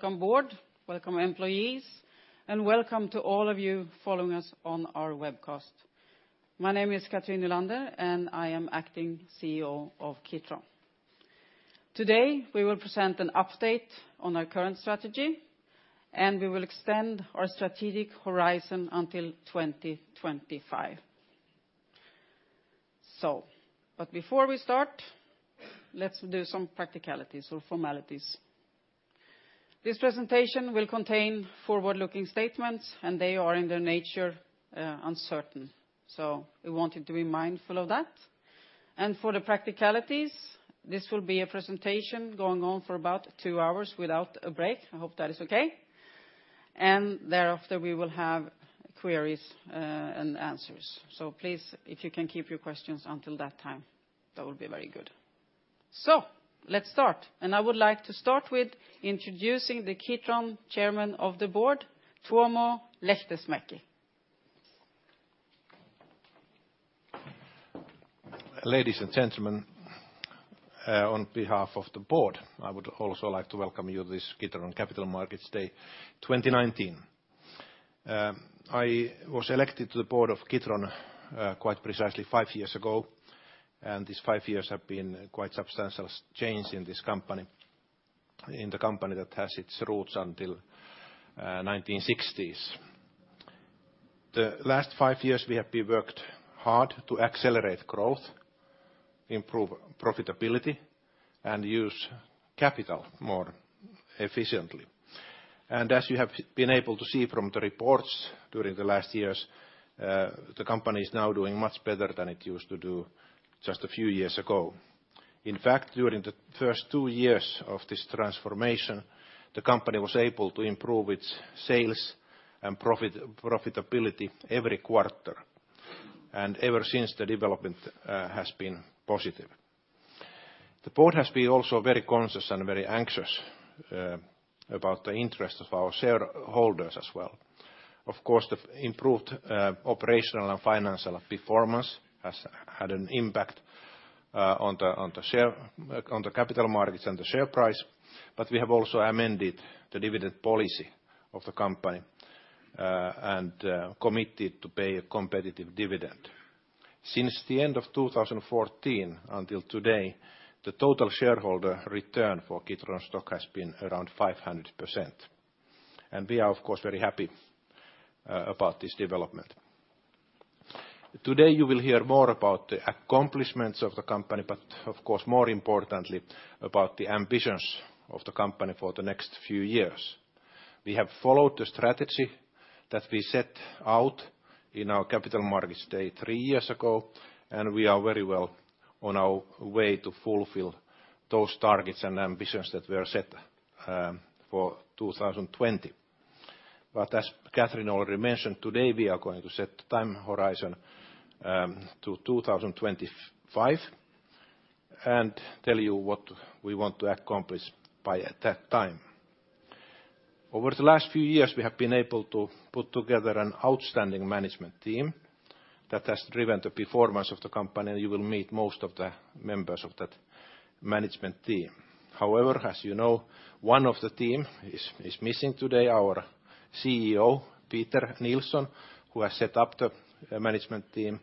Welcome board, welcome employees, and welcome to all of you following us on our webcast. My name is Cathrine Nylander, and I am Acting CEO of Kitron. Today, we will present an update on our current strategy, and we will extend our strategic horizon until 2025. Before we start, let's do some practicalities or formalities. This presentation will contain forward-looking statements, and they are in their nature, uncertain. We wanted to be mindful of that. For the practicalities, this will be a presentation going on for about two hours without a break. I hope that is okay. There after, we will have queries and answers. Please, if you can keep your questions until that time, that would be very good. Let's start. I would like to start with introducing the Kitron Chairman of the Board, Tuomo Lähdesmäki. Ladies and gentlemen, on behalf of the board, I would also like to welcome you to this Kitron Capital Markets Day 2019. I was elected to the board of Kitron, quite precisely five years aoo, and these five years have been quite substantial change in this company, in the company that has its roots until, 1960s. The last five years, we have been worked hard to accelerate growth, improve profitability, and use capital more efficiently. As you have been able to see from the reports during the last years, the company is now doing much better than it used to do just a few years ago. In fact, during the first two years of this transformation, the company was able to improve its sales and profitability every quarter. Ever since the development, has been positive. The board has been also very conscious and very anxious about the interest of our shareholders as well. Of course, the improved operational and financial performance has had an impact on the capital markets and the share price, but we have also amended the dividend policy of the company and committed to pay a competitive dividend. Since the end of 2014 until today, the total shareholder return for Kitron stock has been around 500%. We are of course very happy about this development. Today, you will hear more about the accomplishments of the company, but of course, more importantly, about the ambitions of the company for the next few years. We have followed the strategy that we set out in our Capital Markets Day three years ago. We are very well on our way to fulfill those targets and ambitions that were set for 2020. As Cathrine Nylander already mentioned today, we are going to set the time horizon to 2025 and tell you what we want to accomplish by that time. Over the last few years, we have been able to put together an outstanding management team that has driven the performance of the company. You will meet most of the members of that management team. However, as one of the team is missing today, our CEO, Peter Nilsson, who has set up the management team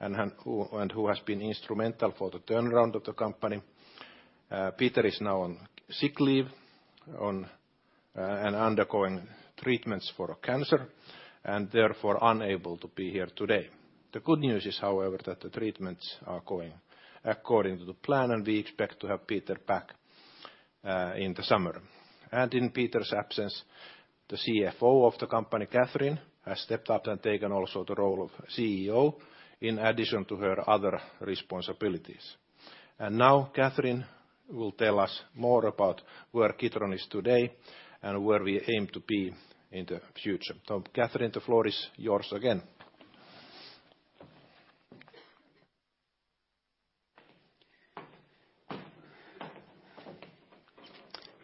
and who has been instrumental for the turnaround of the company. Peter is now on sick leave and undergoing treatments for cancer, and therefore unable to be here today. The good news is, however, that the treatments are going according to the plan, we expect to have Peter back in the summer. In Peter's absence, the CFO of the company, Cathrin, has stepped up and taken also the role of CEO in addition to her other responsibilities. Now, Cathrin will tell us more about where Kitron is today and where we aim to be in the future. Cathrin, the floor is yours again.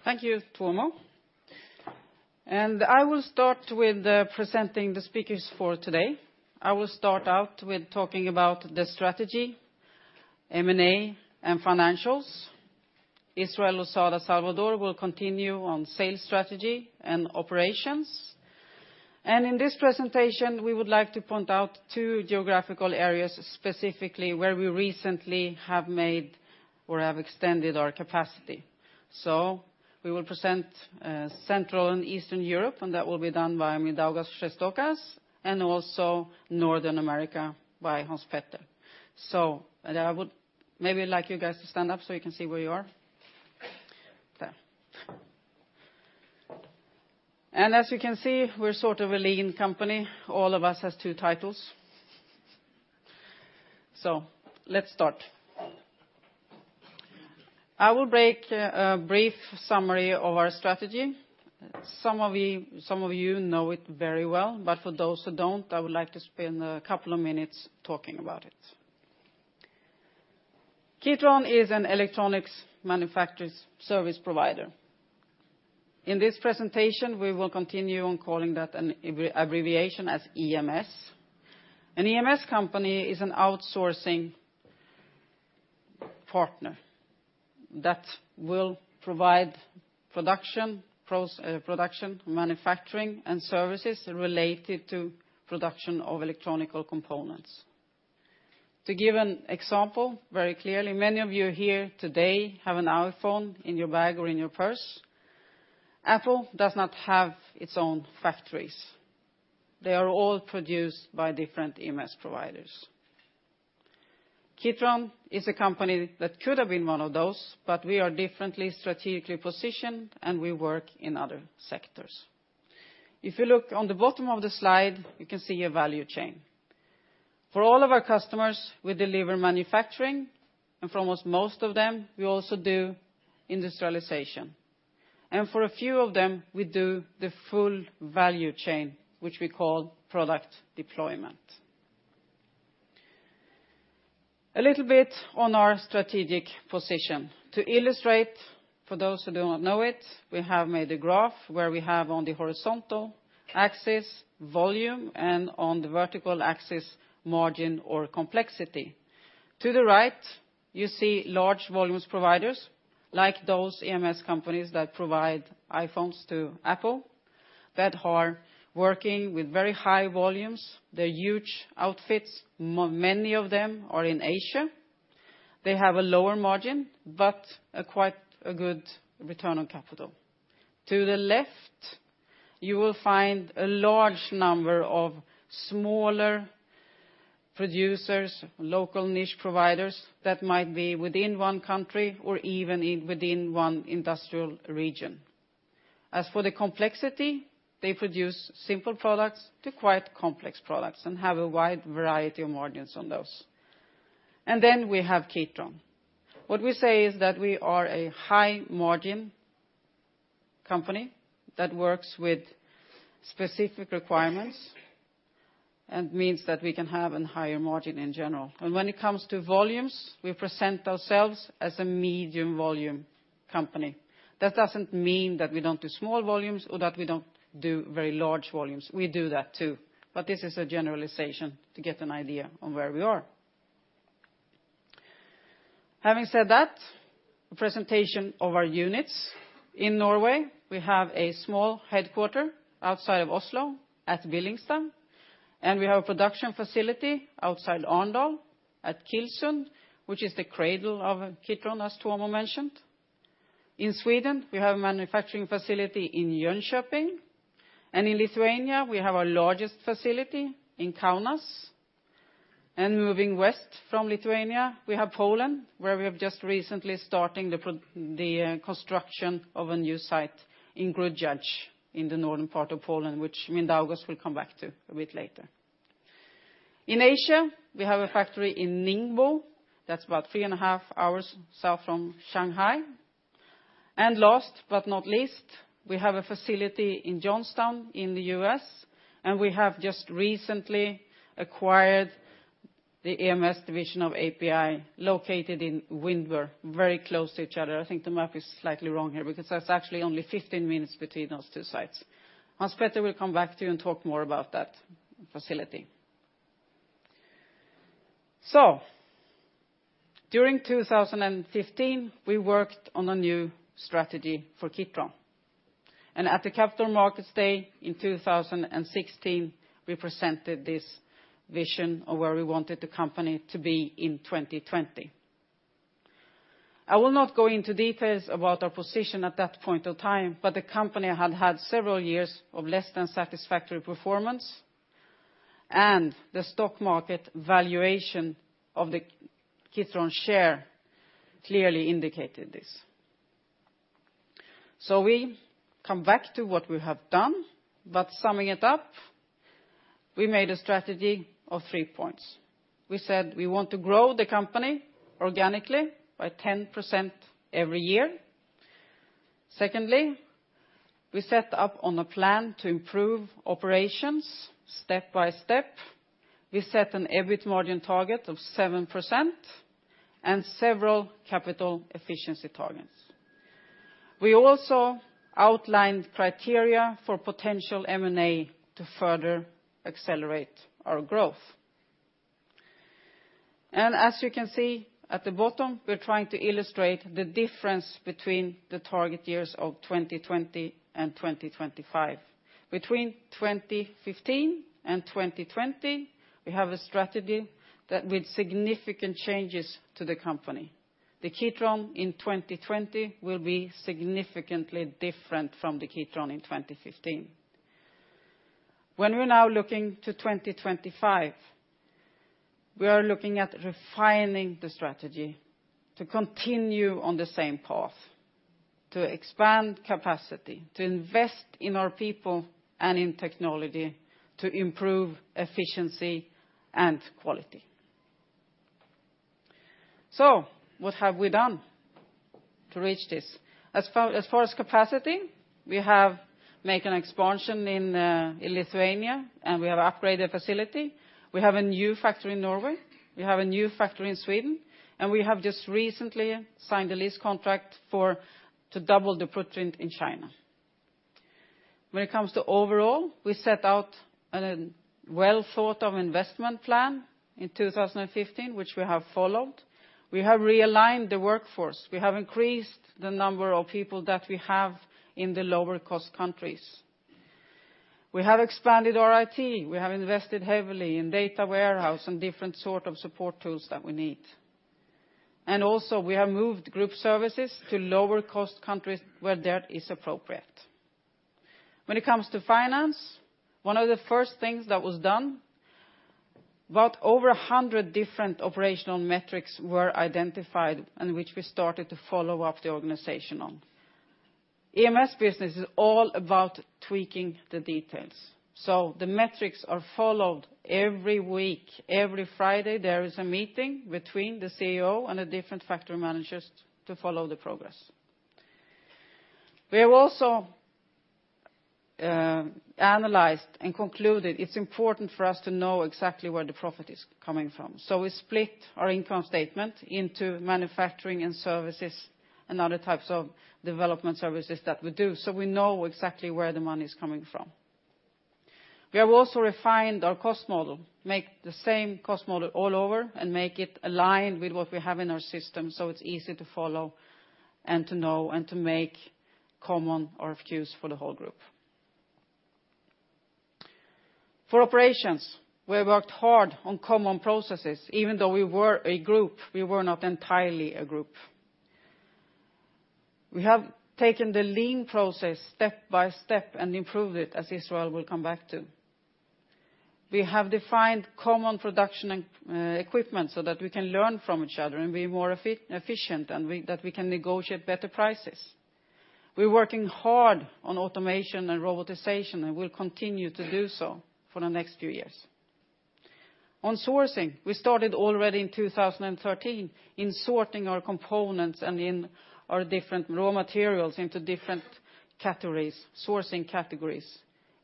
Thank you, Tuomo. I will start with presenting the speakers for today. I will start out with talking about the strategy, M&A, and financials. Israel Losada Salvador will continue on sales strategy and operations. In this presentation, we would like to point out two geographical areas, specifically where we recently have made or have extended our capacity. We will present Central and Eastern Europe, and that will be done by Mindaugas Šeštokas, and also Northern America by Hans Petter. I would maybe like you guys to stand up so you can see where you are. There. As you can see, we're sort of a lean company. All of us has two titles. Let's start. I will break a brief summary of our strategy. Some of it very well, but for those who don't, I would like to spend a couple of minutes talking about it. Kitron is an Electronics Manufacturing Services provider. In this presentation, we will continue on calling that an abbreviation as EMS. An EMS company is an outsourcing partner that will provide production, manufacturing, and services related to production of electronic components. To give an example, very clearly, many of you here today have an iPhone in your bag or in your purse. Apple does not have its own factories. They are all produced by different EMS providers. Kitron is a company that could have been one of those, but we are differently strategically positioned, and we work in other sectors. If you look on the bottom of the slide, you can see a value chain. For all of our customers, we deliver manufacturing. For almost most of them, we also do industrialization. For a few of them, we do the full value chain, which we call product deployment. A little bit on our strategic position. To illustrate, for those who do not know it, we have made a graph where we have on the horizontal axis volume, and on the vertical axis margin or complexity. To the right, you see large volumes providers like those EMS companies that provide iPhones to Apple that are working with very high volumes. They're huge outfits. Many of them are in Asia. They have a lower margin, but a quite a good return on capital. To the left, you will find a large number of smaller producers, local niche providers that might be within one country or even within one industrial region. For the complexity, they produce simple products to quite complex products and have a wide variety of margins on those. We have Kitron. What we say is that we are a high-margin company that works with specific requirements and means that we can have an higher margin in general. When it comes to volumes, we present ourselves as a medium-volume company. That doesn't mean that we don't do small volumes or that we don't do very large volumes. We do that too. This is a generalization to get an idea on where we are. Having said that, a presentation of our units. In Norway, we have a small headquarter outside of Oslo at Billingstad, and we have a production facility outside Arendal at Kilsund, which is the cradle of Kitron, as Tuomo mentioned. In Sweden, we have a manufacturing facility in Jönköping, and in Lithuania, we have our largest facility in Kaunas. Moving west from Lithuania, we have Poland, where we have just recently starting the construction of a new site in Grudziądz in the northern part of Poland, which Mindaugas will come back to a bit later. In Asia, we have a factory in Ningbo. That's about 3.5 hours south from Shanghai. Last but not least, we have a facility in Johnstown in the US, and we have just recently acquired the EMS division of API located in Windber, very close to each other. The map is slightly wrong here because that's actually only 15 minutes between those two sites. Hans Petter will come back to you and talk more about that facility. During 2015, we worked on a new strategy for Kitron, and at the Capital Markets Day in 2016, we presented this vision of where we wanted the company to be in 2020. I will not go into details about our position at that point of time, but the company had had several years of less than satisfactory performance, and the stock market valuation of the Kitron share clearly indicated this. We come back to what we have done. Summing it up, we made a strategy of three points. We said we want to grow the company organically by 10% every year. Secondly, we set up on a plan to improve operations step by step. We set an EBIT margin target of 7% and several capital efficiency targets. We also outlined criteria for potential M&A to further accelerate our growth. As you can see at the bottom, we're trying to illustrate the difference berween the target years of 2020 and 2025. Between 2015 and 2020, we have a strategy that with significant changes to the company. The Kitron in 2020 will be significantly different from the Kitron in 2015. When we're now looking to 2025, we are looking at refining the strategy to continue on the same path, to expand capacity, to invest in our people and in technology, to improve efficiency and quality. What have we done to reach this? As far as capacity, we have make an expansion in Lithuania, and we have upgraded facility. We have a new factory in Norway. We have a new factory in Sweden. We have just recently signed a lease contract to double the footprint in China. When it comes to overall, we set out a well thought of investment plan in 2015, which we have followed. We have realigned the workforce. We have increased the number of people that we have in the lower cost countries. We have expanded our IT. We have invested heavily in data warehouse and different sort of support tools that we need. Also, we have moved group services to lower cost countries where that is appropriate. When it comes to finance, one of the first things that was done, about over 100 different operational metrics were identified and which we started to follow up the organization on. EMS business is all about tweaking the details. The metrics are followed every week. Every Friday, there is a meeting between the CEO and the different factory managers to follow the progress. We have also analyzed and concluded it's important for us to know exactly where the profit is coming from. We split our income statement into manufacturing and services and other types of development services that we do, so we know exactly where the money's coming. We have also refined our cost model, make the same cost model all over, and make it align with what we have in our system, so it's easy to follow and to know and to make common RFQs for the whole group. For operations, we worked hard on common processes. Even though we were a group, we were not entirely a group. We have taken the lean process step by step and improved it, as Israel will come back to. We have defined common production and equipment so that we can learn from each other and be more efficient, and that we can negotiate better prices. We're working hard on automation and robotization, and we'll continue to do so for the next few years. On sourcing, we started already in 2013 in sorting our components and in our different raw materials into different categories, sourcing categories.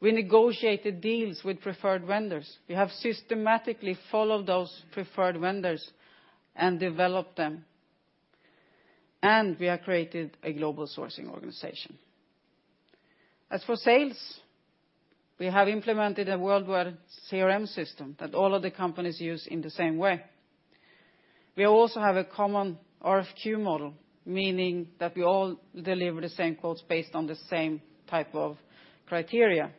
We negotiated deals with preferred vendors. We have systematically followed those preferred vendors and developed them. We have created a global sourcing organization. As for sales, we have implemented a worldwide CRM system that all of the companies use in the same way. We also have a common RFQ model, meaning that we all deliver the same quotes based on the same type of criteria,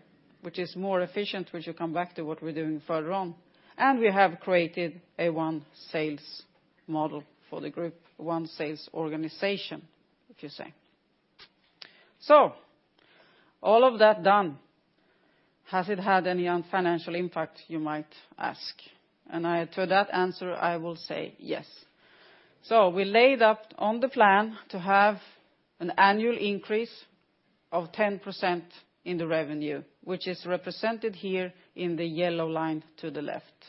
which is more efficient, which we'll come back to what we're doing further on. We have created a one sales model for the group, one sales organization, if you say. All of that done, has it had any financial impact, you might ask? I, to that answer, I will say yes. We laid up on the plan to have an annual increase of 10% in the revenue, which is represented here in the yellow line to the left.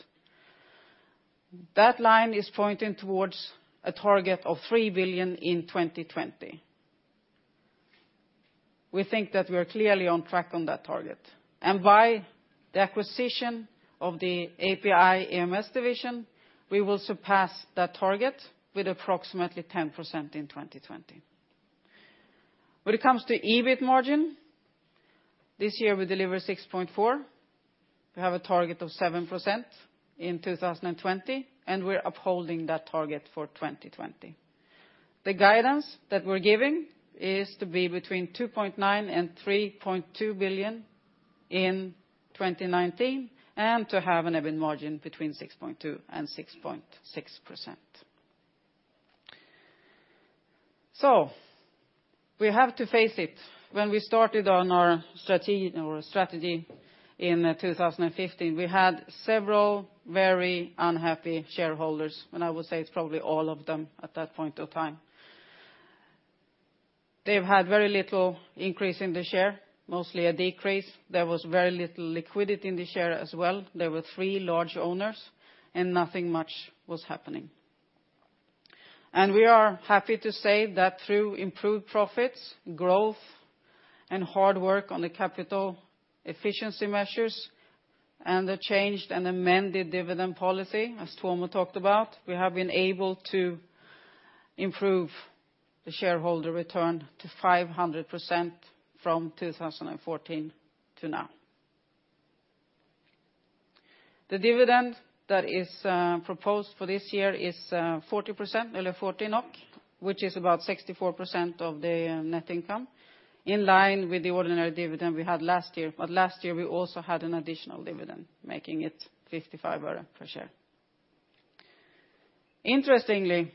That line is pointing towards a target of 3 billion in 2020. We think that we're clearly on track on that target. By the acquisition of the API EMS division, we will surpass that target with approximately 10% in 2020. When it comes to EBIT margin, this year we delivered 6.4%. We have a target of 7% in 2020, and we're upholding that target for 2020. The guidance that we're giving is to be between 2.9 billion and 3.2 billion in 2019 and to have an EBIT margin between 6.2% and 6.6%. We have to face it. When we started on our strategy in 2015, we had several very unhappy shareholders, and I would say it's probably all of them at that point of time. They've had very little increase in the share, mostly a decrease. There was very little liquidity in the share as well. There were three large owners, and nothing much was happening. We are happy to say that through improved profits, growth, and hard work on the capital efficiency measures and the changed and amended dividend policy, as Tuomo talked about, we have been able to improve the shareholder return to 500% from 2014 to now. The dividend that is proposed for this year is 40%, only 40 NOK, which is about 64% of the net income, in line with the ordinary dividend we had last year. Last year, we also had an additional dividend, making it 55 euro per share. Interestingly,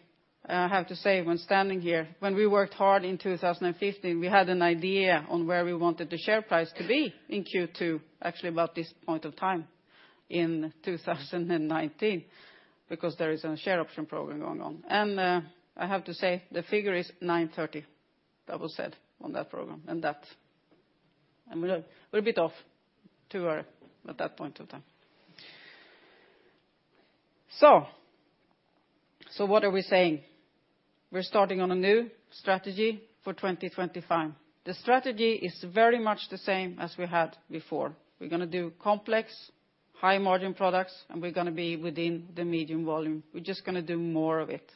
I have to say when standing here, when we worked hard in 2015, we had an idea on where we wanted the share price to be in Q2, actually about this point of time in 2019, because there is a share option program going on. I have to say the figure is 930 that was said on that program, and that, we're a bit off, EUR 2 at that point of time. What are we saying? We're starting on a new strategy for 2025. The strategy is very much the same as we had before. We're going to do complex, high margin products, and we're going to be within the medium volume. We're just going to do more of it.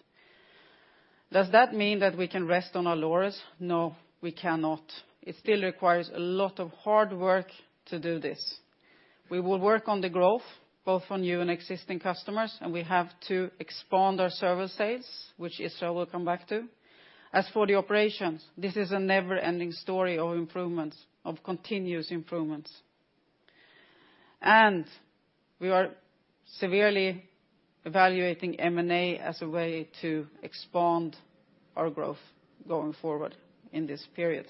Does that mean that we can rest on our laurels? No, we cannot. It still requires a lot of hard work to do this. We will work on the growth, both on new and existing customers, and we have to expand our service sales, which Israel will come back to. As for the operations, this is a never-ending story of improvements, of continuous improvements. We are severely evaluating M&A as a way to expand our growth going forward in this period.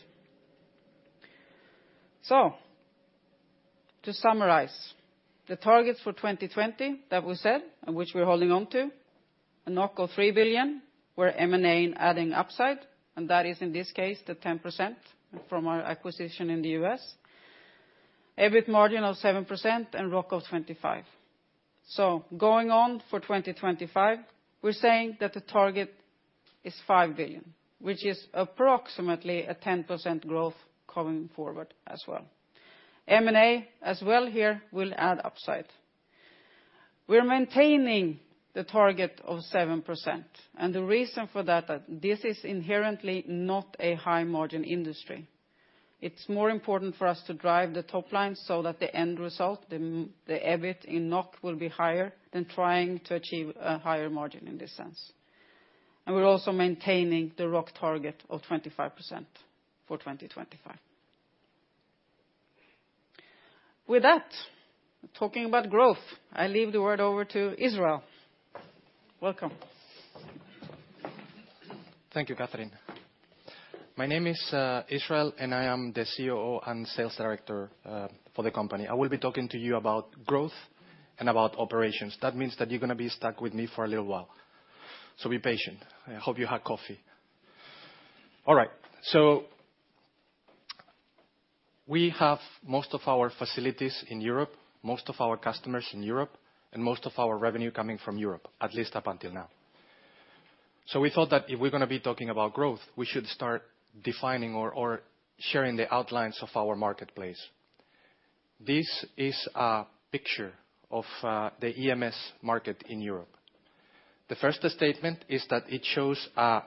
To summarize, the targets for 2020 that we set and which we're holding on to, a 3 billion, where M&A adding upside, and that is, in this case, the 10% from our acquisition in the U.S. EBIT margin of 7% and ROC of 25%. Going on for 2025, we're saying that the target is 5 billion, which is approximately a 10% growth coming forward as well. M&A as well here will add upside. We're maintaining the target of 7%, and the reason for that this is inherently not a high margin industry. It's more important for us to drive the top line so that the end result, the EBIT in NOK will be higher than trying to achieve a higher margin in this sense. We're also maintaining the ROC target of 25% for 2025. With that, talking about growth, I leave the word over to Israel. Welcome. Thank you, Cathrin. My name is Israel, and I am the COO and Sales Director for the company. I will be talking to you about growth and about operations. That means that you're going to be stuck with me for a little while. Be patient. I hope you had coffee. All right. We have most of our facilities in Europe, most of our customers in Europe, and most of our revenue coming from Europe, at least up until now. We thought that if we're going to be talking about growth, we should start defining or sharing the outlines of our marketplace. This is a picture of the EMS market in Europe. The first statement is that it shows a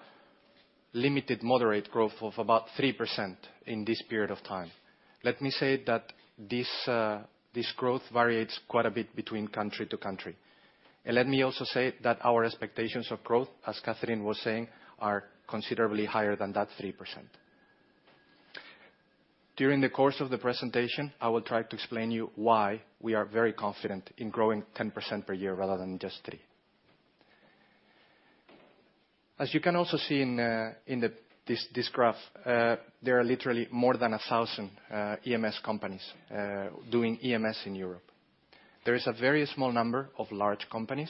limited moderate growth of about 3% in this period of time. Let me say that this growth variates quite a bit between country to country. Let me also say that our expectations of growth, as Cathrin was saying, are considerably higher than that 3%. During the course of the presentation, I will try to explain you why we are very confident in growing 10% per year rather than just 3%. As you can also see in this graph, there are literally more than 1,000 EMS companies doing EMS in Europe. There is a very small number of large companies,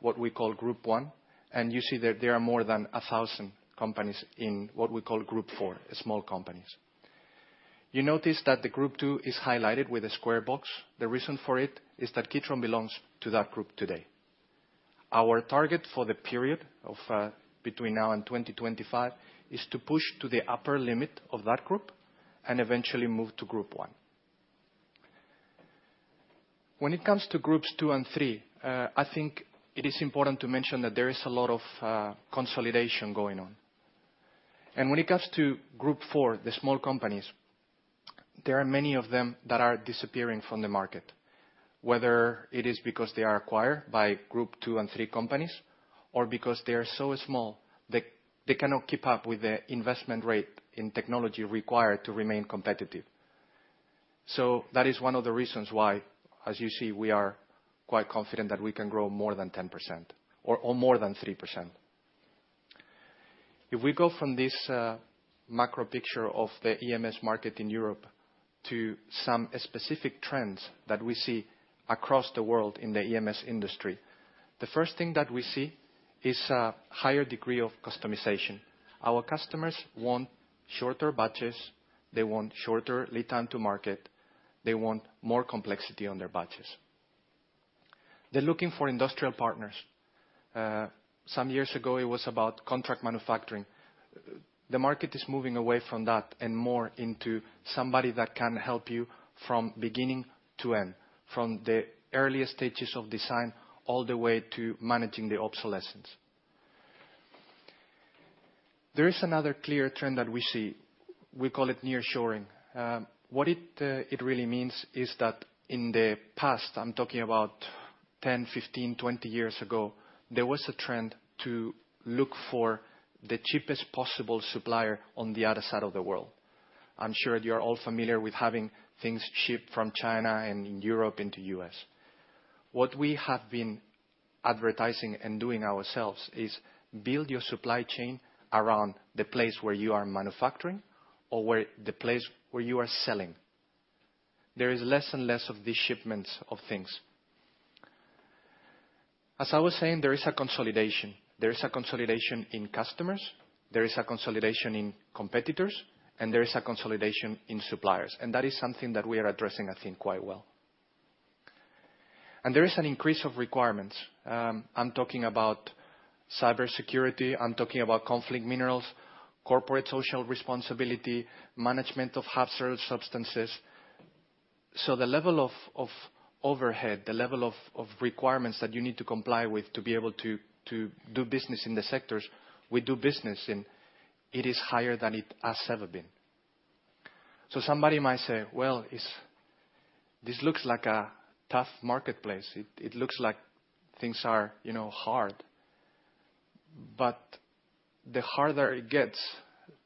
what we call Group One, and you see that there are more than 1,000 companies in what we call Group Four, small companies. You notice that the Group Two is highlighted with a square box. The reason for it is that Kitron belongs to that group today. Our target for the period of between now and 2025 is to push to the upper limit of that group and eventually move to Group One. When it comes to Groups Two and Three, I think it is important to mention that there is a lot of consolidation going on. When it comes to Group Four, the small companies, there are many of them that are disappearing from the market, whether it is because they are acquired by Group Two and Three companies or because they are so small they cannot keep up with the investment rate in technology required to remain competitive. That is one of the reasons why, as you see, we are quite confident that we can grow more than 10% or more than 3%. If we go from this macro picture of the EMS market in Europe to some specific trends that we see across the world in the EMS industry, the first thing that we see is a higher degree of customization. Our customers want shorter batches. They want shorter lead time to market. They want more complexity on their batches. They're looking for industrial partners. Some years ago, it was about contract manufacturing. The market is moving away from that and more into somebody that can help you from beginning to end, from the earliest stages of design all the way to managing the obsolescence. There is another clear trend that we see. We call it nearshoring. What it really means is that in the past, I'm talking about 10, 15, 20 years ago, there was a trend to look for the cheapest possible supplier on the other side of the world. I'm sure you're all familiar with having things shipped from China and Europe into U.S. What we have been advertising and doing ourselves is build your supply chain around the place where you are manufacturing or where the place where you are selling. There is less and less of the shipments of things. As I was saying, there is a consolidation. There is a consolidation in customers, there is a consolidation in competitors, and there is a consolidation in suppliers, and that is something that we are addressing, quite well. There is an increase of requirements. I'm talking about cybersecurity, I'm talking about conflict minerals, corporate social responsibility, management of hazardous substances. The level of overhead, the level of requirements that you need to comply with to be able to do business in the sectors we do business in, it is higher than it has ever been. Somebody might say, "Well, this looks like a tough marketplace. It looks like things are hard." The harder it gets,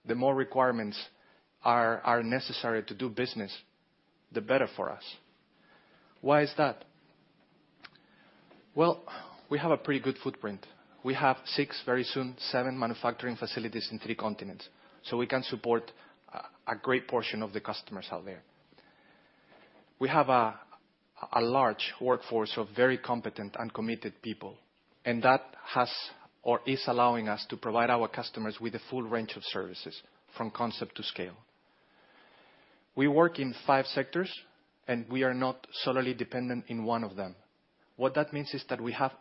the more requirements are necessary to do business, the better for us. Why is that? Well, we have a pretty good footprint. We have six, very soon seven, manufacturing facilities in three continents, so we can support a great portion of the customers out there. We have a large workforce of very competent and committed people, and that has or is allowing us to provide our customers with a full range of services from concept to scale. We work in five sectors, and we are not solely dependent in one of them. What that means is that we have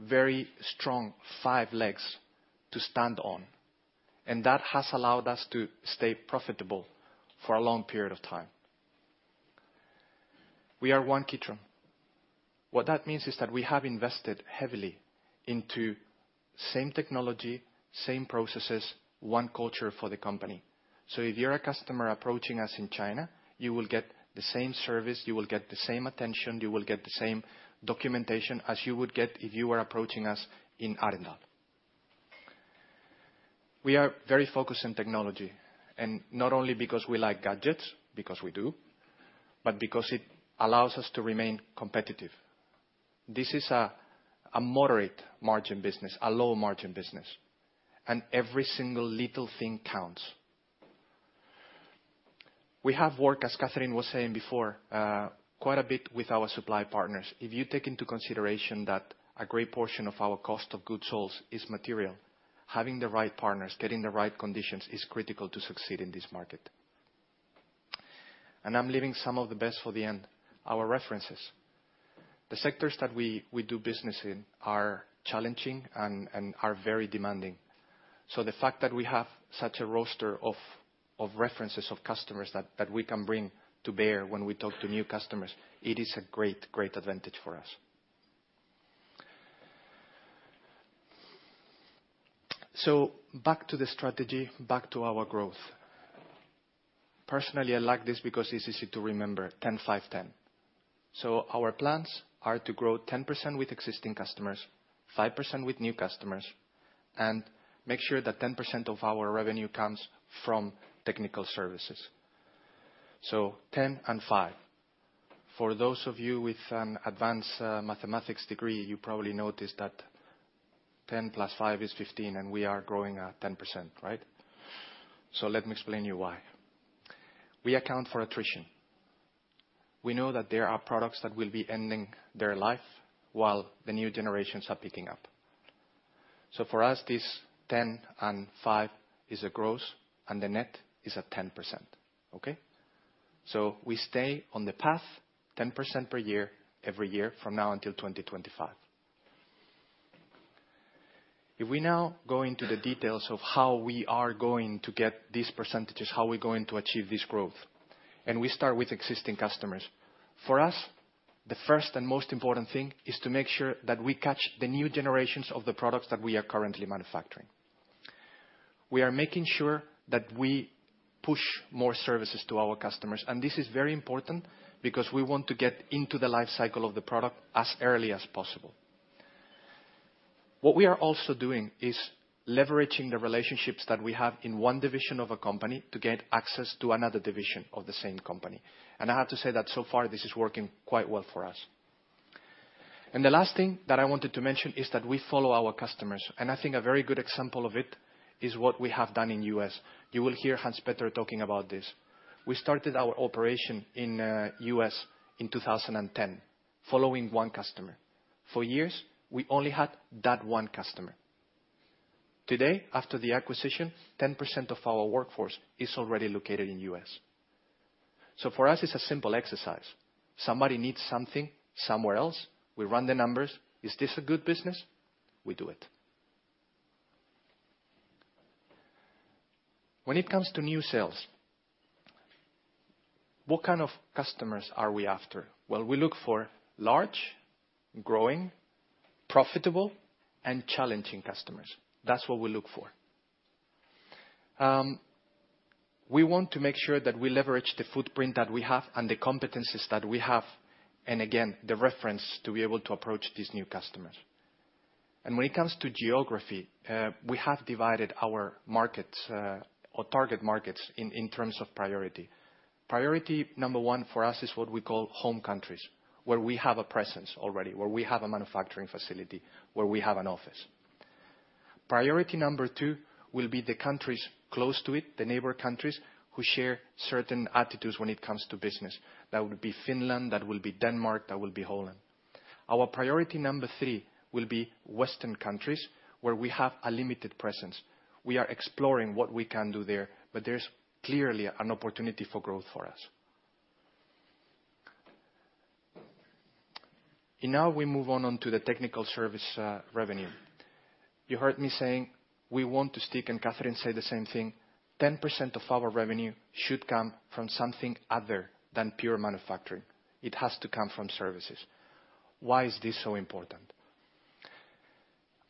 very strong five legs to stand on, and that has allowed us to stay profitable for a long period of time. We are One Kitron. What that means is that we have invested heavily into same technology, same processes, one culture for the company. If you're a customer approaching us in China, you will get the same service, you will get the same attention, you will get the same documentation as you would get if you were approaching us in Arendal. We are very focused on technology, and not only because we like gadgets, because we do, but because it allows us to remain competitive. This is a moderate margin business, a low margin business, and every single little thing counts. We have worked, as Cathrin was saying before, quite a bit with our supply partners. If you take into consideration that a great portion of our cost of goods sold is material, having the right partners, getting the right conditions is critical to succeed in this market. I'm leaving some of the best for the end, our references. The sectors that we do business in are challenging and are very demanding. The fact that we have such a roster of references of customers that we can bring to bear when we talk to new customers, it is a great advantage for us. Back to the strategy, back to our growth. Personally, I like this because it's easy to remember, 10/5/10. Our plans are to grow 10% with existing customers, 5% with new customers, and make sure that 10% of our revenue comes from technical services. 10 and 5. For those of you with an advanced mathematics degree, you probably noticed that 10 plus 5 is 15, and we are growing at 10%, right? Let me explain you why. We account for attrition. We know that there are products that will be ending their life while the new generations are picking up. For us, this 10 and 5 is a gross, and the net is at 10%, okay. We stay on the path, 10% per year, every year, from now until 2025. If we now go into the details of how we are going to get these percentages, how we're going to achieve this growth, we start with existing customers. For us, the first and most important thing is to make sure that we catch the new generations of the products that we are currently manufacturing. We are making sure that we push more services to our customers. This is very important because we want to get into the life cycle of the product as early as possible. What we are also doing is leveraging the relationships that we have in one division of a company to get access to another division of the same company. I have to say that so far, this is working quite well for us. The last thing that I wanted to mention is that we follow our customers, and I think a very good example of it is what we have done in US. You will hear Hans Petter talking about this. We started our operation in US in 2010 following one customer. For years, we only had that one customer. Today, after the acquisition, 10% of our workforce is already located in US. For us, it's a simple exercise. Somebody needs something somewhere else, we run the numbers. Is this a good business? We do it. When it comes to new sales, what kind of customers are we after? Well, we look for large, growing, profitable, and challenging customers. That's what we look for. We want to make sure that we leverage the footprint that we have and the competencies that we have, and again, the reference to be able to approach these new customers. When it comes to geography, we have divided our markets, or target markets in terms of priority. Priority number one for us is what we call home countries, where we have a presence already, where we have a manufacturing facility, where we have an office. Priority number two will be the countries close to it, the neighbor countries, who share certain attitudes when it comes to business. That would be Finland, that will be Denmark, that will be Holland. Our priority number three will be Western countries, where we have a limited presence. We are exploring what we can do there, but there's clearly an opportunity for growth for us. Now we move on onto the technical service revenue. You heard me saying we want to stick, and Cathrin said the same thing, 10% of our revenue should come from something other than pure manufacturing. It has to come from services. Why is this so important?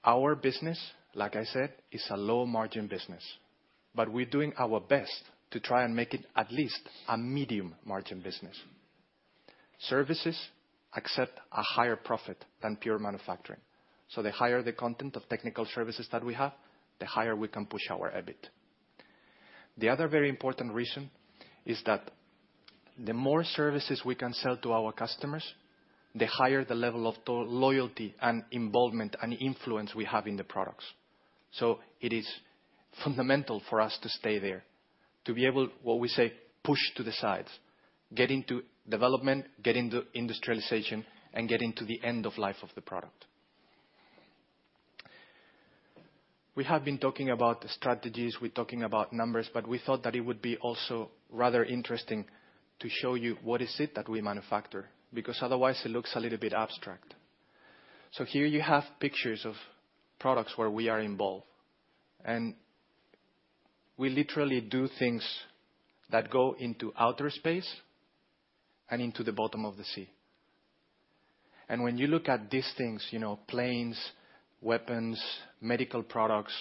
Our business, like I said, is a low margin business, but we're doing our best to try and make it at least a medium margin business. Services accept a higher profit than pure manufacturing, so the higher the content of technical services that we have, the higher we can push our EBIT. The other very important reason is that the more services we can sell to our customers, the higher the level of loyalty and involvement and influence we have in the products. It is fundamental for us to stay there, to be able, what we say, push to the sides, get into development, get into industrialization, and get into the end of life of the product. We have been talking about strategies, we're talking about numbers, we thought that it would be also rather interesting to show you what is it that we manufacture, because otherwise it looks a little bit abstract. Here you have pictures of products where we are involved, and we literally do things that go into outer space and into the bottom of the sea. When you look at these things planes, weapons, medical products,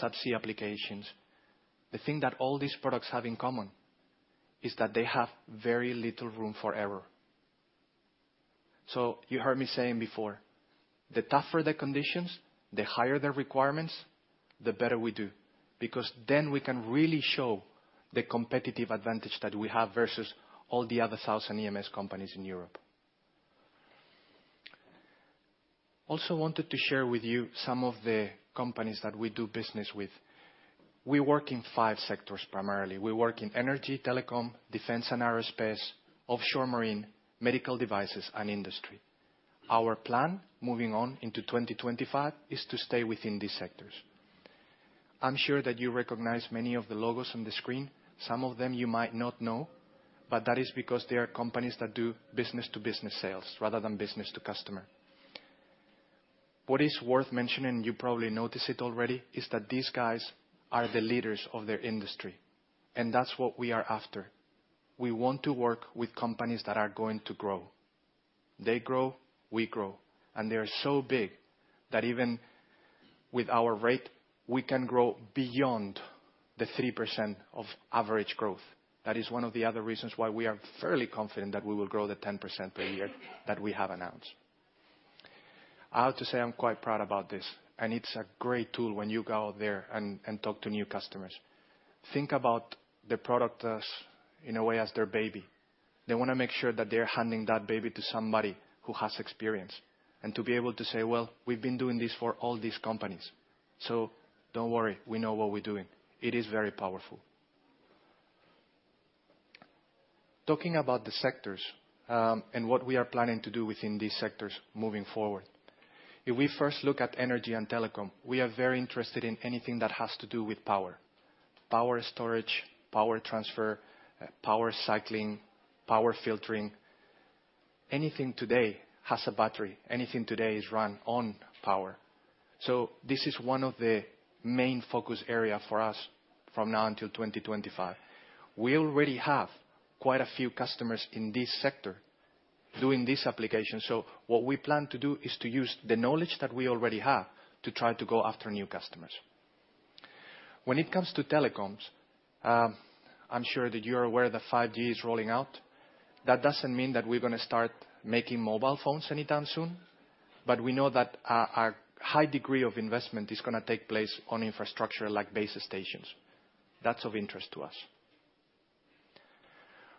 subsea applications, the thing that all these products have in common is that they have very little room for error. You heard me saying before, the tougher the conditions, the higher the requirements, the better we do, because then we can really show the competitive advantage that we have versus all the other 1,000 EMS companies in Europe. Also wanted to share with you some of the companies that we do business with. We work in 5 sectors primarily. We work in energy, telecom, defense and aerospace, offshore marine, medical devices, and industry. Our plan moving on into 2025 is to stay within these sectors. I'm sure that you recognize many of the logos on the screen. Some of them you might not know, but that is because they are companies that do business to business sales rather than business to customer. What is worth mentioning, you probably notice it already, is that these guys are the leaders of their industry, and that's what we are after. We want to work with companies that are going to grow. They grow, we grow, and they are so big that even with our rate, we can grow beyond the 3% of average growth. That is one of the other reasons why we are fairly confident that we will grow the 10% per year that we have announced. I have to say, I'm quite proud about this, and it's a great tool when you go out there and talk to new customers. Think about the product as, in a way, as their baby. They want to make sure that they're handing that baby to somebody who has experience, and to be able to say, "Well, we've been doing this for all these companies, so don't worry. We know what we're doing." It is very powerful. Talking about the sectors, and what we are planning to do within these sectors moving forward. If we first look at energy and telecom, we are very interested in anything that has to do with power: power storage, power transfer, power cycling, power filtering. Anything today has a battery. Anything today is run on power. This is one of the main focus area for us from now until 2025. We already have quite a few customers in this sector doing this application. What we plan to do is to use the knowledge that we already have to try to go after new customers. When it comes to telecoms, I'm sure that you're aware that 5G is rolling out. That doesn't mean that we're going to start making mobile phones anytime soon, but we know that a high degree of investment is going to take place on infrastructure like base stations. That's of interest to us.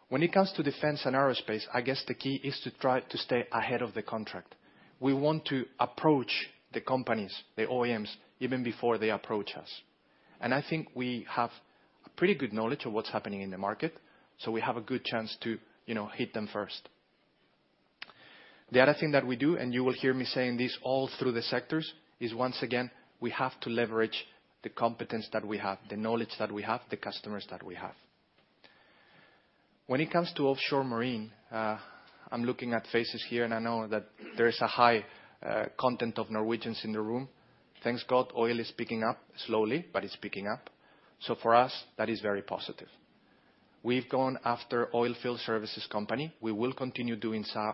When it comes to defense and aerospace, I guess the key is to try to stay ahead of the contract. We want to approach the companies, the OEMs, even before they approach us, and I think we have pretty good knowledge of what's happening in the market, so we have a good chance to hit them first. The other thing that we do, and you will hear me saying this all through the sectors, is once again, we have to leverage the competence that we have, the knowledge that we have, the customers that we have. When it comes to offshore marine, I'm looking at faces here, I know that there is a high content of Norwegians in the room. Thanks God, oil is picking up. Slowly, it's picking up. For us, that is very positive. We've gone after oil field services company. We will continue doing so.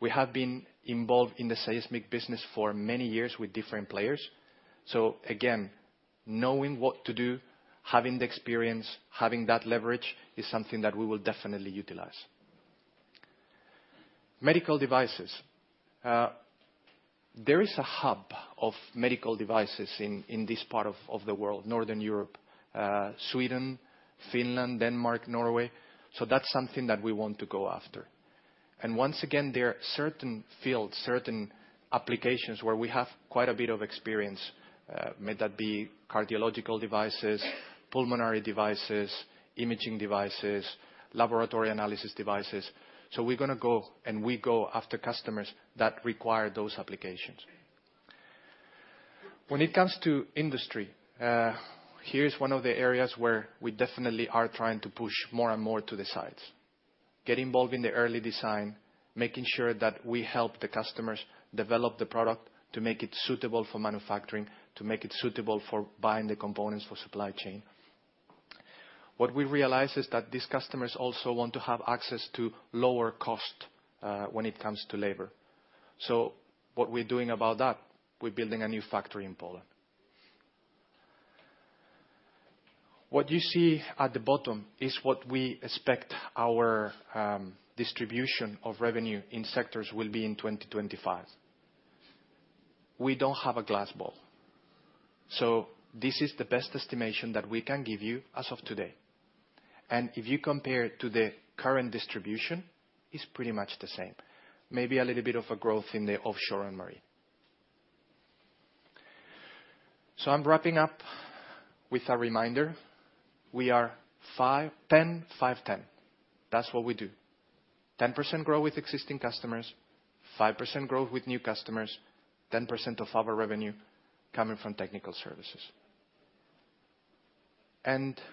We have been involved in the seismic business for many years with different players. Again, knowing what to do, having the experience, having that leverage is something that we will definitely utilize. Medical devices. There is a hub of medical devices in this part of the world, Northern Europe, Sweden, Finland, Denmark, Norway. That's something that we want to go after. Once again, there are certain fields, certain applications where we have quite a bit of experience, may that be cardiological devices, pulmonary devices, imaging devices, laboratory analysis devices. We're going to go, and we go after customers that require those applications. When it comes to industry, here is one of the areas where we definitely are trying to push more and more to the sides. Get involved in the early design, making sure that we help the customers develop the product to make it suitable for manufacturing, to make it suitable for buying the components for supply chain. What we realized is that these customers also want to have access to lower cost, when it comes to labor. What we're doing about that, we're building a new factory in Poland. What you see at the bottom is what we expect our distribution of revenue in sectors will be in 2025. We don't have a glass ball. This is the best estimation that we can give you as of today. If you compare it to the current distribution, it's pretty much the same. Maybe a little bit of a growth in the offshore and marine. I'm wrapping up with a reminder. We are 5 10 5 10. That's what we do. 10% grow with existing customers, 5% growth with new customers, 10% of our revenue coming from technical services.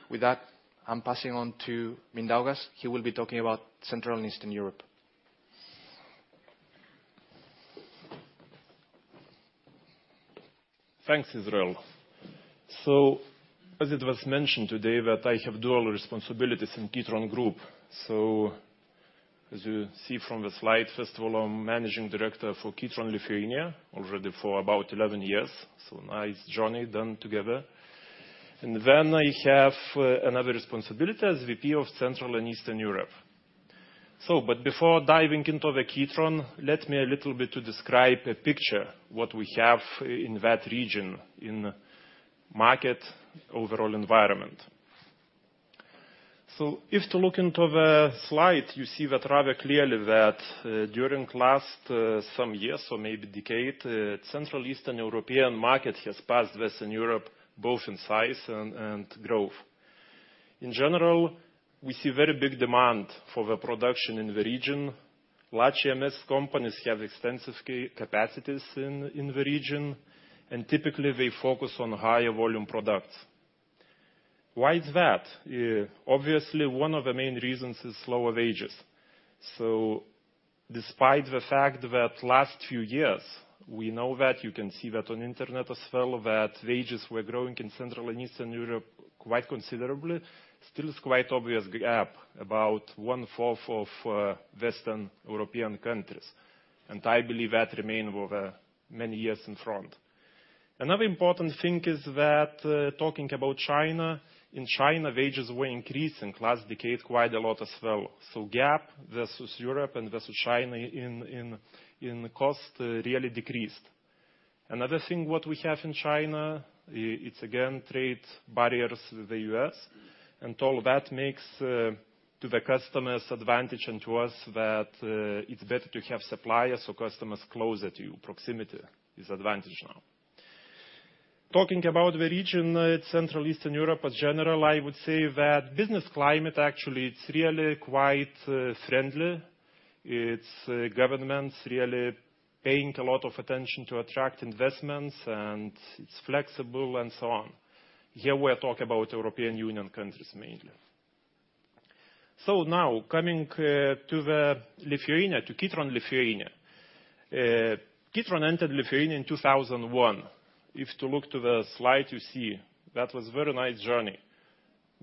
With that, I'm passing on to Mindaugas. He will be talking about Central and Eastern Europe. Thanks, Israel. As it was mentioned today that I have dual responsibilities in Kitron Group. As you see from the slide, first of all, I'm Managing Director for Kitron Lithuania, already for about 11 years, so nice journey done together. I have another responsibility as VP of Central and Eastern Europe. Before diving into Kitron, let me a little bit to describe a picture what we have in that region, in market overall environment. If to look into the slide, you see that rather clearly that during last some years or maybe decade, Central Eastern European market has passed Western Europe both in size and growth. In general, we see very big demand for the production in the region. Large EMS companies have extensive capacities in the region, and typically they focus on higher volume products. Why is that? Obviously, one of the main reasons is lower wages. Despite the fact that last few years, we know that you can see that on internet as well, that wages were growing in Central and Eastern Europe quite considerably, still is quite obvious gap, about one-fourth of Western European countries. I believe that remain over many years in front. Another important thing is that talking about China, in China, wages were increasing last decade quite a lot as well. Gap versus Europe and versus China in cost really decreased. Another thing what we have in China, it's again trade barriers with the U.S., and all that makes to the customers' advantage and to us that it's better to have suppliers or customers closer to you. Proximity is advantage now. Talking about the region, Central Eastern Europe as general, I would say that business climate, actually, it's really quite friendly. It's governments really paying a lot of attention to attract investments, and it's flexible, and so on. Here, we are talking about European Union countries mainly. Now, coming to Lithuania, to Kitron Lithuania. Kitron entered Lithuania in 2001. If to look to the slide, you see that was very nice journey.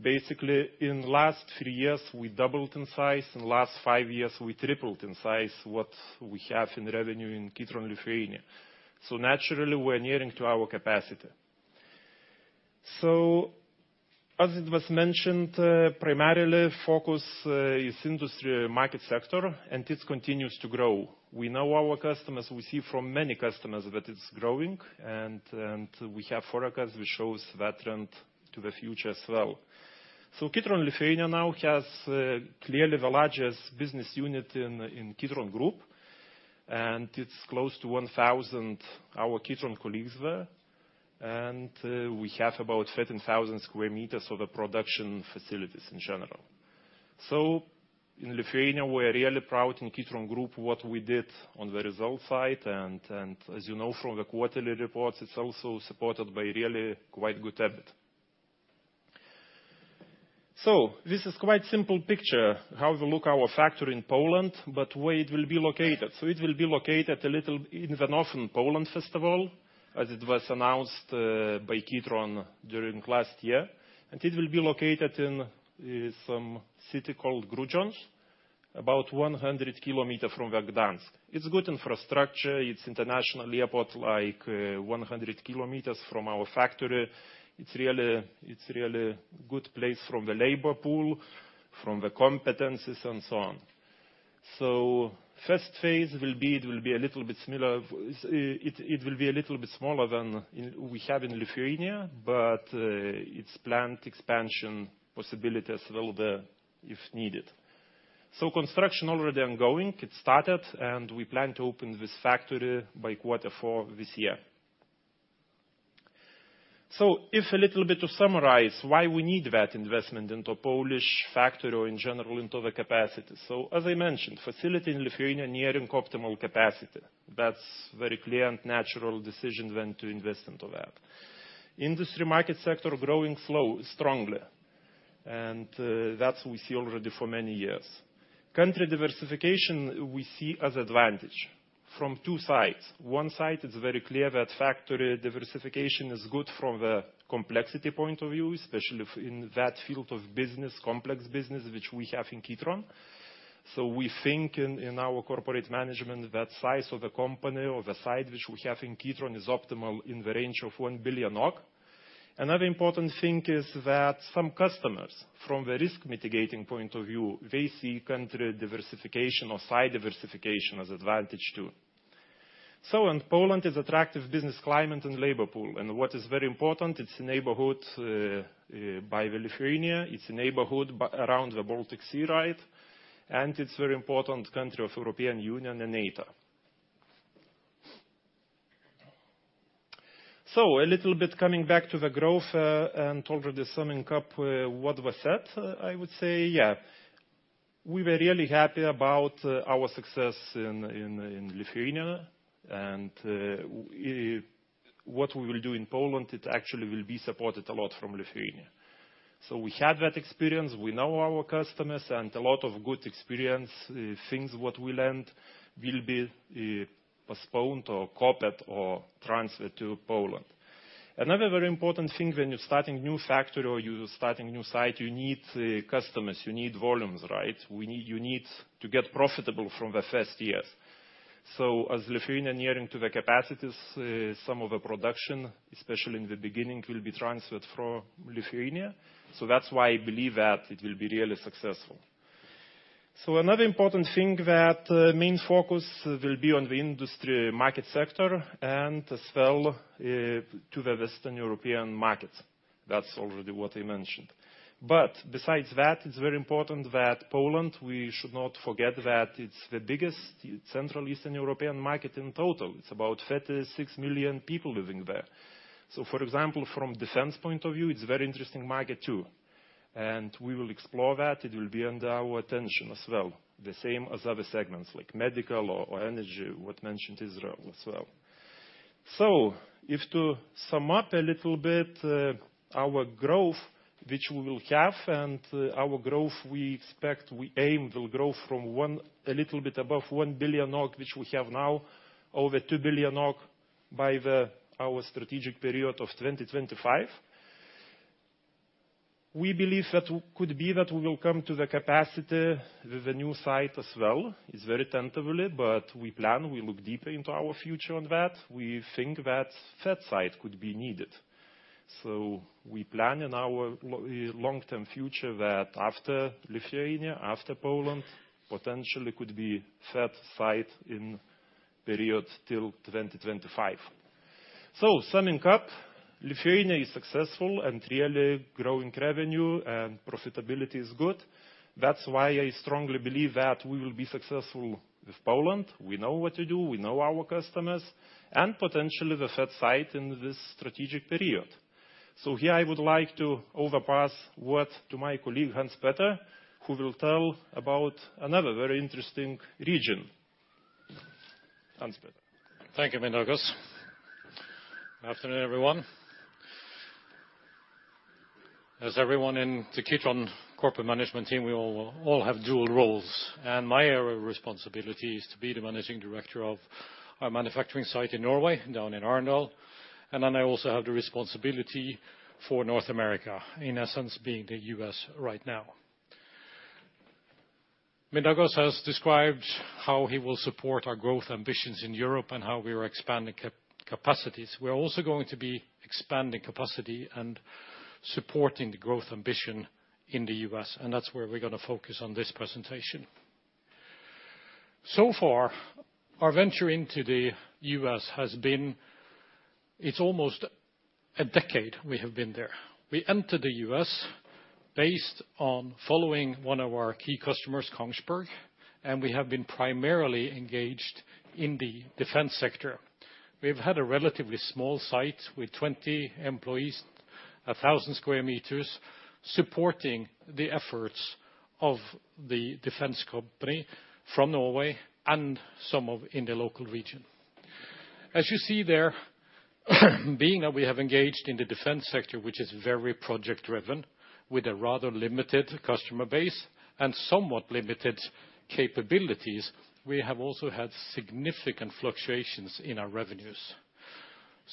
Basically, in last three years, we doubled in size, and last five years, we tripled in size what we have in revenue in Kitron Lithuania. Naturally, we're nearing to our capacity. As it was mentioned, primarily focus is industry market sector, and it continues to grow. We know our customers. We see from many customers that it's growing, and we have forecast which shows that trend to the future as well. Kitron Lithuania now has clearly the largest business unit in Kitron Group, and it's close to 1,000 our Kitron colleagues there. We have about 13,000 square meters of the production facilities in general. In Lithuania, we're really proud in Kitron Group what we did on the result side. As from the quarterly reports, it's also supported by really quite good EBIT. This is quite simple picture how to look our factory in Poland, but where it will be located. It will be located a little in the northern Poland first of all, as it was announced by Kitron during last year. It will be located in some city called Grudziądz, about 100 km from Gdansk. It's good infrastructure. It's international airport, like 100 km from our factory. It's really good place from the labor pool, from the competencies, and so on. First phase will be a little bit smaller than in, we have in Lithuania, but it's plant expansion possibility as well there if needed. Construction already ongoing. It started, and we plan to open this factory by quarter four this year. If a little bit to summarize why we need that investment into Polish factory or in general into the capacity. As I mentioned, facility in Lithuania nearing optimal capacity. That's very clear and natural decision when to invest into that. Industry market sector growing slow, strongly, that we see already for many years. Country diversification we see as advantage from two sides. One side, it's very clear that factory diversification is good from the complexity point of view, especially if in that field of business, complex business, which we have in Kitron. We think in our corporate management that size of the company or the size which we have in Kitron is optimal in the range of 1 billion. Another important thing is that some customers, from the risk mitigating point of view, they see country diversification or site diversification as advantage too. In Poland is attractive business climate and labor pool. What is very important, it's neighborhood by Lithuania, it's neighborhood around the Baltic Sea, right? It's very important country of European Union and NATO. A little bit coming back to the growth and already summing up what was said. I would say, we were really happy about our success in Lithuania and what we will do in Poland, it actually will be supported a lot from Lithuania. We have that experience. We know our customers and a lot of good experience, things what we learned will be postponed or copied or transferred to Poland. Another very important thing when you're starting new factory or you're starting new site, you need customers, you need volumes, right? You need to get profitable from the first year. As Lithuania nearing to the capacities, some of the production, especially in the beginning, will be transferred from Lithuania. That's why I believe that it will be really successful. Another important thing that main focus will be on the industry market sector and as well to the Western European markets. That's already what I mentioned. Besides that, it's very important that Poland, we should not forget that it's the biggest Central Eastern European market in total. It's about 36 million people living there. For example, from defense point of view, it's very interesting market too. We will explore that. It will be under our attention as well, the same as other segments like medical or energy, what mentioned Israel as well. If to sum up a little bit, our growth, which we will have and our growth we expect, we aim will grow from a little bit above 1 billion, which we have now, over 2 billion by our strategic period of 2025. We believe that could be that we will come to the capacity with the new site as well. It's very tentatively, but we plan, we look deeper into our future on that. We think that third site could be needed. We plan in our long-term future that after Lithuania, after Poland, potentially could be third site in period till 2025. Summing up, Lithuania is successful and really growing revenue and profitability is good. That's why I strongly believe that we will be successful with Poland. We know what to do. We know our customers. Potentially the third site in this strategic period. Here I would like to overpass what to my colleague, Hans Petter, who will tell about another very interesting region. Hans Petter. Thank you, Mindaugas. Afternoon, everyone. As everyone in the Kitron corporate management team, we all have dual roles, my area of responsibility is to be the managing director of our manufacturing site in Norway, down in Arendal. I also have the responsibility for North America, in essence, being the U.S. right now. Mindaugas has described how he will support our growth ambitions in Europe and how we are expanding capacities. We're also going to be expanding capacity and supporting the growth ambition in the U.S., and that's where we're going to focus on this presentation. So far, our venture into the U.S. has been. It's almost a decade we have been there. We entered the U.S. based on following one of our key customers, Kongsberg, and we have been primarily engaged in the defense sector. We've had a relatively small site with 20 employees, 1,000 square meters, supporting the efforts of the defense company from Norway and some of in the local region. As you see there, being that we have engaged in the defense sector, which is very project driven with a rather limited customer base and somewhat limited capabilities, we have also had significant fluctuations in our revenues.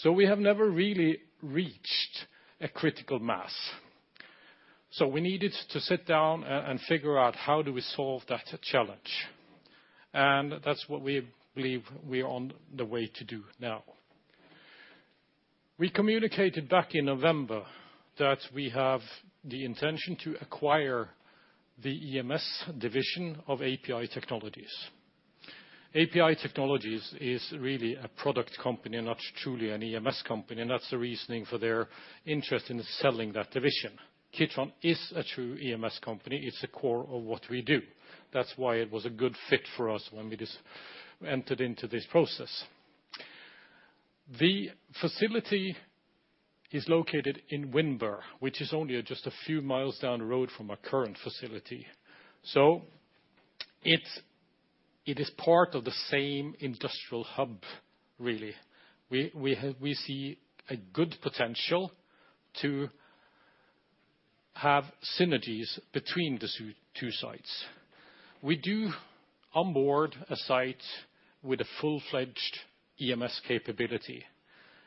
We have never really reached a critical mass. We needed to sit down and figure out how do we solve that challenge. That's what we believe we are on the way to do now. We communicated back in November that we have the intention to acquire the EMS division of API Technologies. API Technologies is really a product company and not truly an EMS company, and that's the reasoning for their interest in selling that division. Kitron is a true EMS company. It's the core of what we do. That's why it was a good fit for us when we just entered into this process. The facility is located in Windber, which is only just a few miles down the road from our current facility. It is part of the same industrial hub, really. We see a good potential to have synergies between the two sites. We do onboard a site with a full-fledged EMS capability.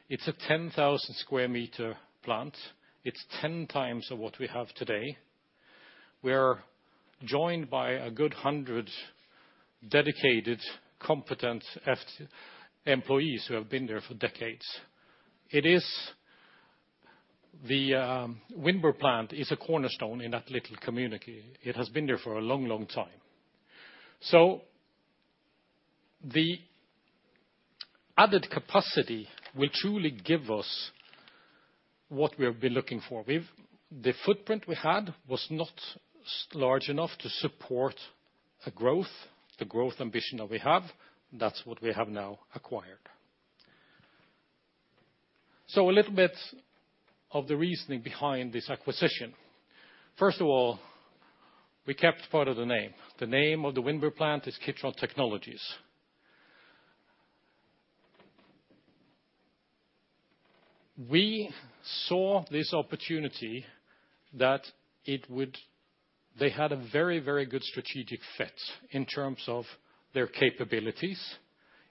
It's a 10,000 square meter plant. It's 10 times of what we have today. We're joined by a good 100 dedicated, competent employees who have been there for decades. The Windber plant is a cornerstone in that little community. It has been there for a long, long time. The added capacity will truly give us what we have been looking for. The footprint we had was not large enough to support the growth ambition that we have. That's what we have now acquired. A little bit of the reasoning behind this acquisition. First of all, we kept part of the name. The name of the Windber plant is Kitron Technologies. We saw this opportunity that they had a very, very good strategic fit in terms of their capabilities,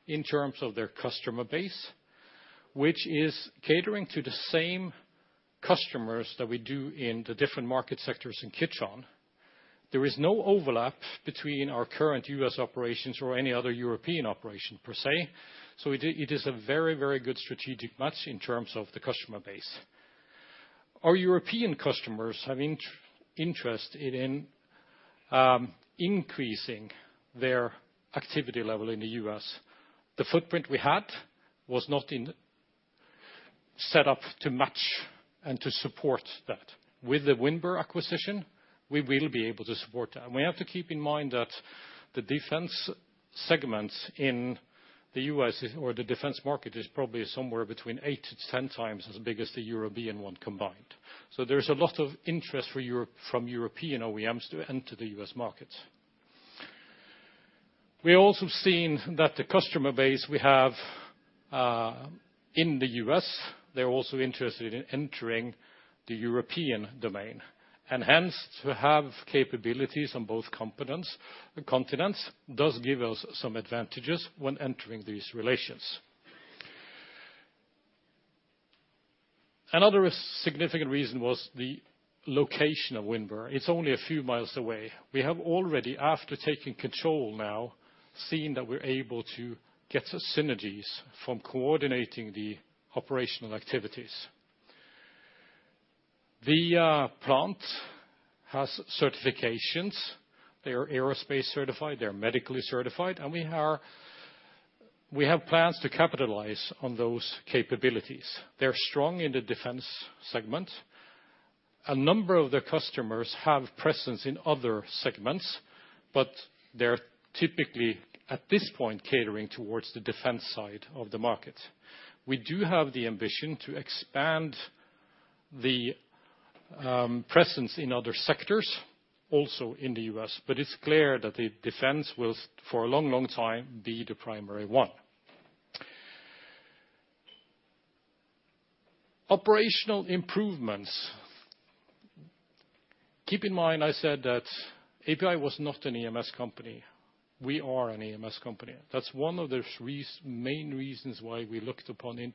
in terms of their customer base, which is catering to the same customers that we do in the different market sectors in Kitron. There is no overlap between our current US operations or any other European operation per se. It is a very, very good strategic match in terms of the customer base. Our European customers have interest in increasing their activity level in the US. The footprint we had was not set up to match and to support that. With the Windber acquisition, we will be able to support that. We have to keep in mind that the defense segments in the U.S. or the defense market is probably somewhere between 8-10 times as big as the European one combined. There's a lot of interest from European OEMs to enter the U.S. market. We also seen that the customer base we have in the U.S., they're also interested in entering the European domain, hence to have capabilities on both continents does give us some advantages when entering these relations. Another significant reason was the location of Windber. It's only a few miles away. We have already, after taking control now, seen that we're able to get synergies from coordinating the operational activities. The plant has certifications. They are aerospace certified, they are medically certified, we have plans to capitalize on those capabilities. They're strong in the defense segment. A number of their customers have presence in other segments, they're typically, at this point, catering towards the defense side of the market. We do have the ambition to expand the presence in other sectors, also in the U.S., but it's clear that the defense will, for a long, long time, be the primary one. Operational improvements. Keep in mind I said that API was not an EMS company. We are an EMS company. That's one of the main reasons why we looked upon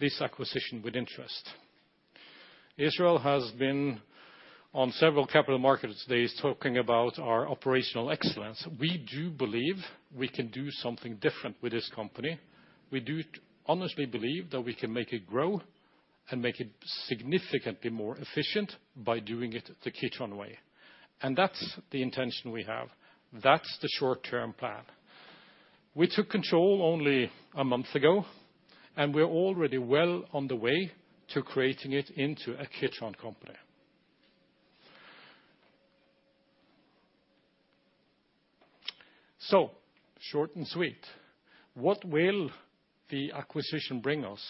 this acquisition with interest. Israel has been on several Capital Markets Days talking about our operational excellence. We do believe we can do something different with this company. We do honestly believe that we can make it grow and make it significantly more efficient by doing it the Kitron Way. That's the intention we have. That's the short-term plan. We took control only a month ago, and we're already well on the way to creating it into a Kitron company. Short and sweet, what will the acquisition bring us?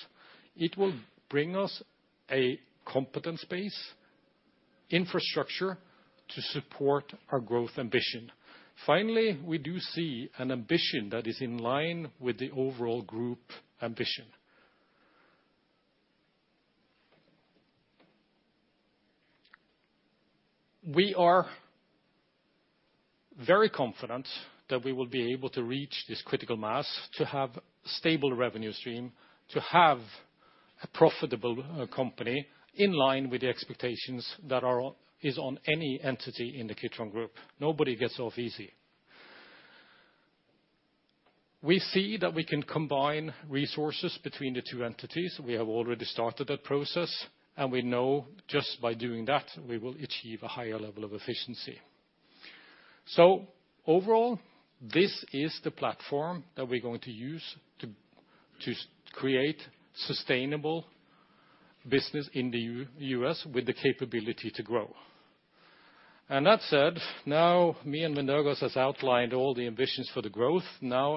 It will bring us a competence base, infrastructure to support our growth ambition. Finally, we do see an ambition that is in line with the overall group ambition. We are very confident that we will be able to reach this critical mass, to have stable revenue stream, to have a profitable company in line with the expectations that is on any entity in the Kitron group. Nobody gets off easy. We see that we can combine resources between the two entities. We have already started that process, and we know just by doing that, we will achieve a higher level of efficiency. Overall, this is the platform that we're going to use to create sustainable business in the US with the capability to grow. That said, me and Mindaugas has outlined all the ambitions for the growth.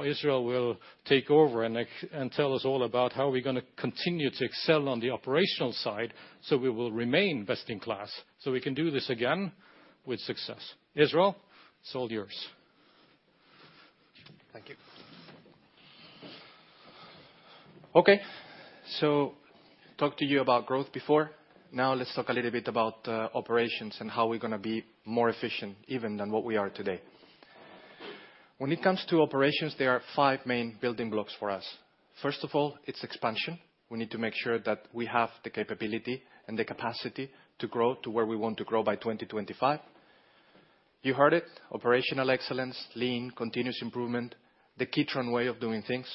Israel will take over and tell us all about how we're going to continue to excel on the operational side, so we will remain best in class, so we can do this again with success. Israel, it's all yours. Thank you. Okay, talked to you about growth before. Now let's talk a little bit about operations and how we're going to be more efficient even than what we are today. When it comes to operations, there are five main building blocks for us. First of all, it's expansion. We need to make sure that we have the capability and the capacity to grow to where we want to grow by 2025. You heard it, operational excellence, lean, continuous improvement, the Kitron Way of doing things.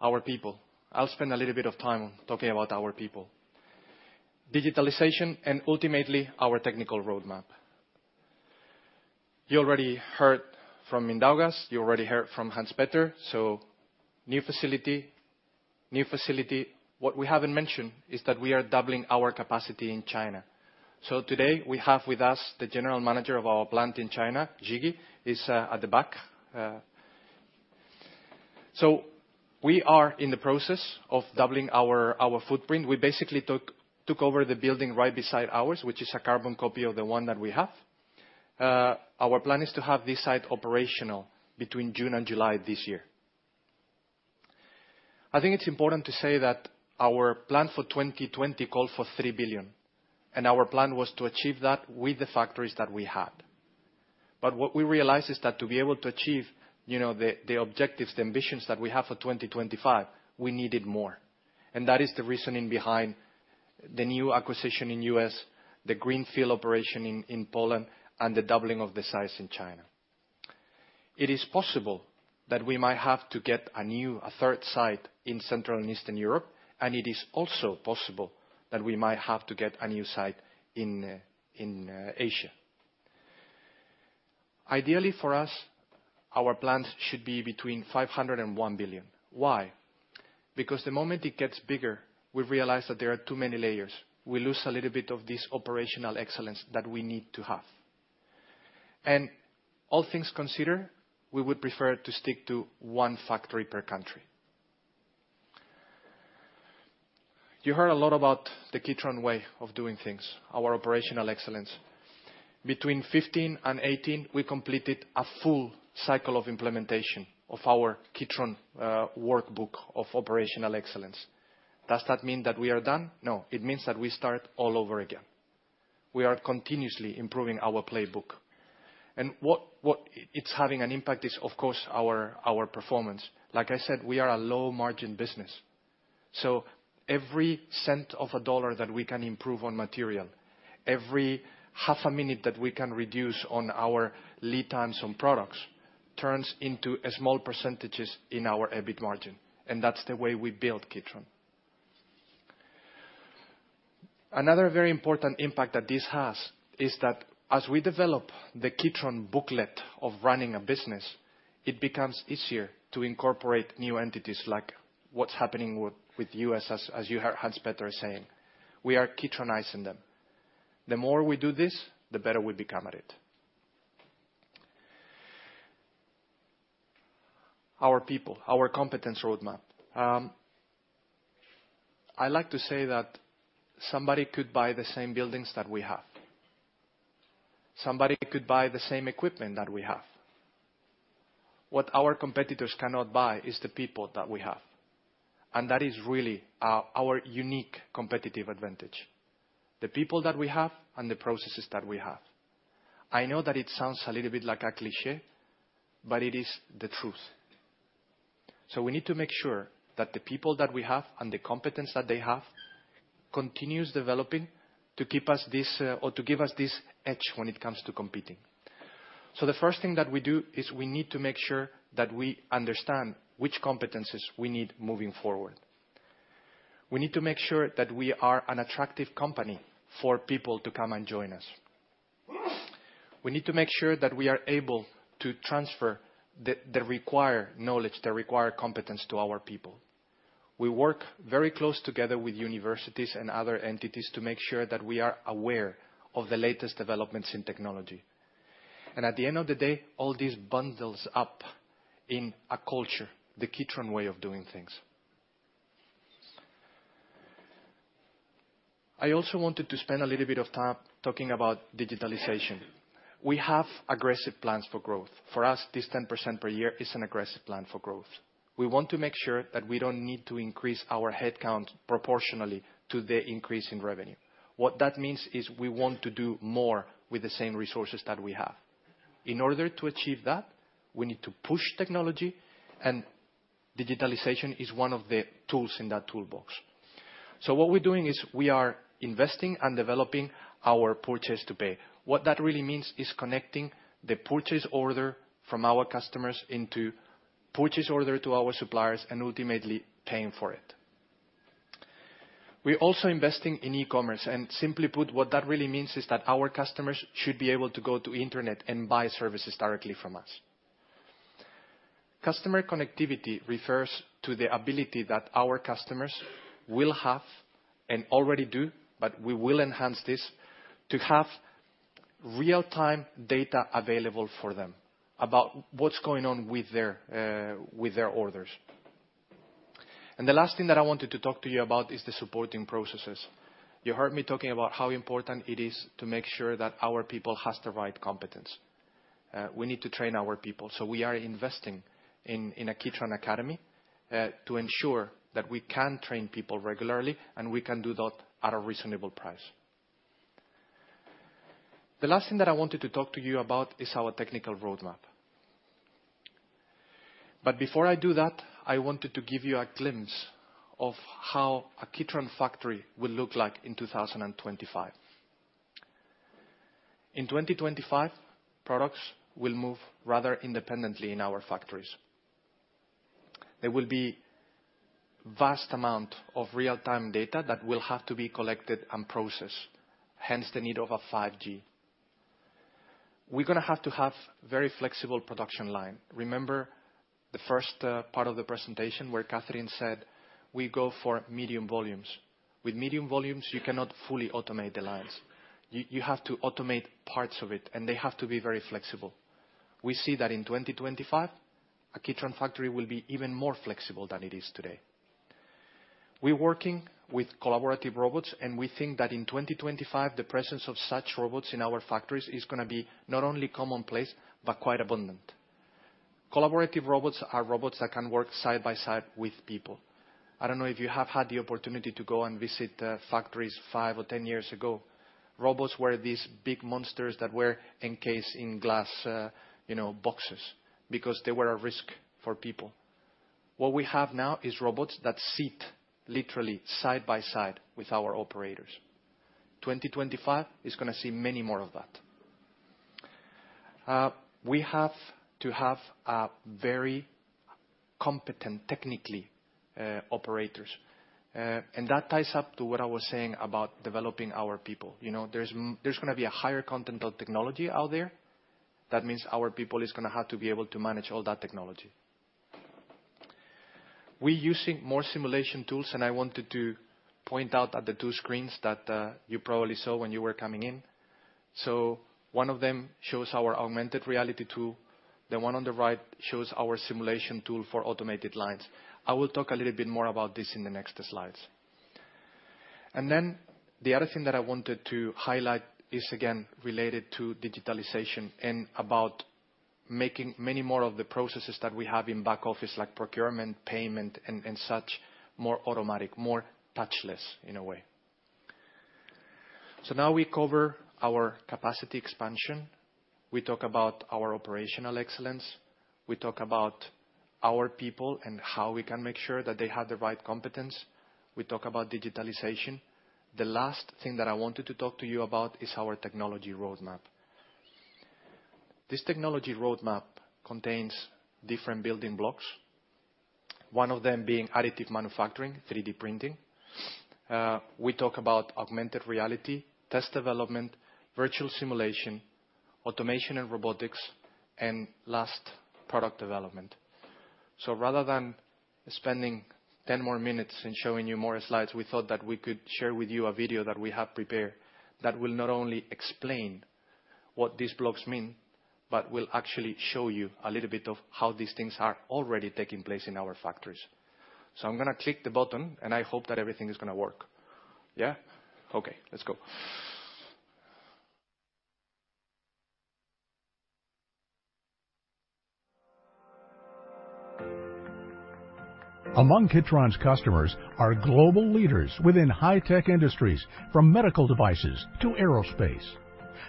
Our people. I'll spend a little bit of time talking about our people. Digitalization, ultimately, our technical roadmap. You already heard from Mindaugas, you already heard from Hans Petter, new facility, new facility. What we haven't mentioned is that we are doubling our capacity in China. Today, we have with us the general manager of our plant in China, Gigi, he's at the back. We are in the process of doubling our footprint. We basically took over the building right beside ours, which is a carbon copy of the one that we have. Our plan is to have this site operational between June and July this year. I think it's important to say that our plan for 2020 called for 3 billion, and our plan was to achieve that with the factories that we had. What we realized is that to be able to achieve the objectives, the ambitions that we have for 2025, we needed more. That is the reasoning behind the new acquisition in the U.S., the greenfield operation in Poland, and the doubling of the size in China. It is possible that we might have to get a new, a third site in Central and Eastern Europe, and it is also possible that we might have to get a new site in Asia. Ideally, for us, our plant should be between 500 and 1 billion. Why? Because the moment it gets bigger, we realize that there are too many layers. We lose a little bit of this operational excellence that we need to have. All things considered, we would prefer to stick to one factory per country. You heard a lot about the Kitron Way of doing things, our operational excellence. Between 2015 and 2018, we completed a full cycle of implementation of our Kitron workbook of operational excellence. Does that mean that we are done? No. It means that we start all over again. We are continuously improving our playbook. What it's having an impact is, of course, our performance. Like I said, we are a low margin business, every cent of a dollar that we can improve on material, every half a minute that we can reduce on our lead times on products, turns into small % in our EBIT margin. That's the way we build Kitron. Another very important impact that this has is that as we develop the Kitron booklet of running a business, it becomes easier to incorporate new entities like what's happening with U.S., as you hear Hans Petter saying. We are Kitron-izing them. The more we do this, the better we become at it. Our people, our competence roadmap. I like to say that somebody could buy the same buildings that we have. Somebody could buy the same equipment that we have. What our competitors cannot buy is the people that we have, and that is really our unique competitive advantage. The people that we have and the processes that we have. I know that it sounds a little bit like a cliché, but it is the truth. We need to make sure that the people that we have and the competence that they have continues developing to keep us this, or to give us this edge when it comes to competing. The first thing that we do is we need to make sure that we understand which competencies we need moving forward. We need to make sure that we are an attractive company for people to come and join us. We need to make sure that we are able to transfer the required knowledge, the required competence to our people. We work very close together with universities and other entities to make sure that we are aware of the latest developments in technology. At the end of the day, all this bundles up in a culture, the Kitron Way of doing things. I also wanted to spend a little bit of time talking about digitalization. We have aggressive plans for growth. For us, this 10% per year is an aggressive plan for growth. We want to make sure that we don't need to increase our headcount proportionally to the increase in revenue. What that means is we want to do more with the same resources that we have. In order to achieve that, we need to push technology, and digitalization is one of the tools in that toolbox. What we're doing is we are investing and developing our Purchase-to-Pay. What that really means is connecting the purchase order from our customers into purchase order to our suppliers, and ultimately paying for it. We're also investing in e-commerce. Simply put, what that really means is that our customers should be able to go to internet and buy services directly from us. Customer connectivity refers to the ability that our customers will have, and already do, but we will enhance this, to have real-time data available for them about what's going on with their, with their orders. The last thing that I wanted to talk to you about is the supporting processes. You heard me talking about how important it is to make sure that our people has the right competence. We need to train our people, so we are investing in a Kitron Academy to ensure that we can train people regularly, and we can do that at a reasonable price. The last thing that I wanted to talk to you about is our technical roadmap. Before I do that, I wanted to give you a glimpse of how a Kitron factory will look like in 2025. In 2025, products will move rather independently in our factories. There will be vast amount of real-time data that will have to be collected and processed, hence the need of a 5G. We're going to have to have very flexible production line. Remember the first part of the presentation where Cathrin said we go for medium volumes. With medium volumes, you cannot fully automate the lines. You have to automate parts of it, and they have to be very flexible. We see that in 2025 a Kitron factory will be even more flexible than it is today. We're working with collaborative robots, and we think that in 2025, the presence of such robots in our factories is going to be not only commonplace, but quite abundant. Collaborative robots are robots that can work side by side with people. I don't know if you have had the opportunity to go and visit factories five or 10 years ago. Robots were these big monsters that were encased in glass boxes because they were a risk for people. What we have now is robots that sit literally side by side with our operators. 2025 is going to see many more of that. We have to have very competent technically, operators. That ties up to what I was saying about developing our people. There's going to be a higher content of technology out there. That means our people is going to have to be able to manage all that technology. We using more simulation tools, and I wanted to point out that the two screens that you probably saw when you were coming in. One of them shows our augmented reality tool. The one on the right shows our simulation tool for automated lines. I will talk a little bit more about this in the next slides. The other thing that I wanted to highlight is again related to digitalization and about making many more of the processes that we have in back office, like procurement, payment, and such, more automatic, more touchless in a way. Now we cover our capacity expansion, we talk about our operational excellence, we talk about our people and how we can make sure that they have the right competence, we talk about digitalization. The last thing that I wanted to talk to you about is our technology roadmap. This technology roadmap contains different building blocks, one of them being additive manufacturing, 3D printing. We talk about augmented reality, test development, virtual simulation, automation and robotics, and last, product development. Rather than spending 10 more minutes and showing you more slides, we thought that we could share with you a video that we have prepared that will not only explain what these blocks mean but will actually show you a little bit of how these things are already taking place in our factories. I'm going to click the button, and I hope that everything is going to work. Yeah? Okay, let's go. Among Kitron's customers are global leaders within high-tech industries, from medical devices to aerospace.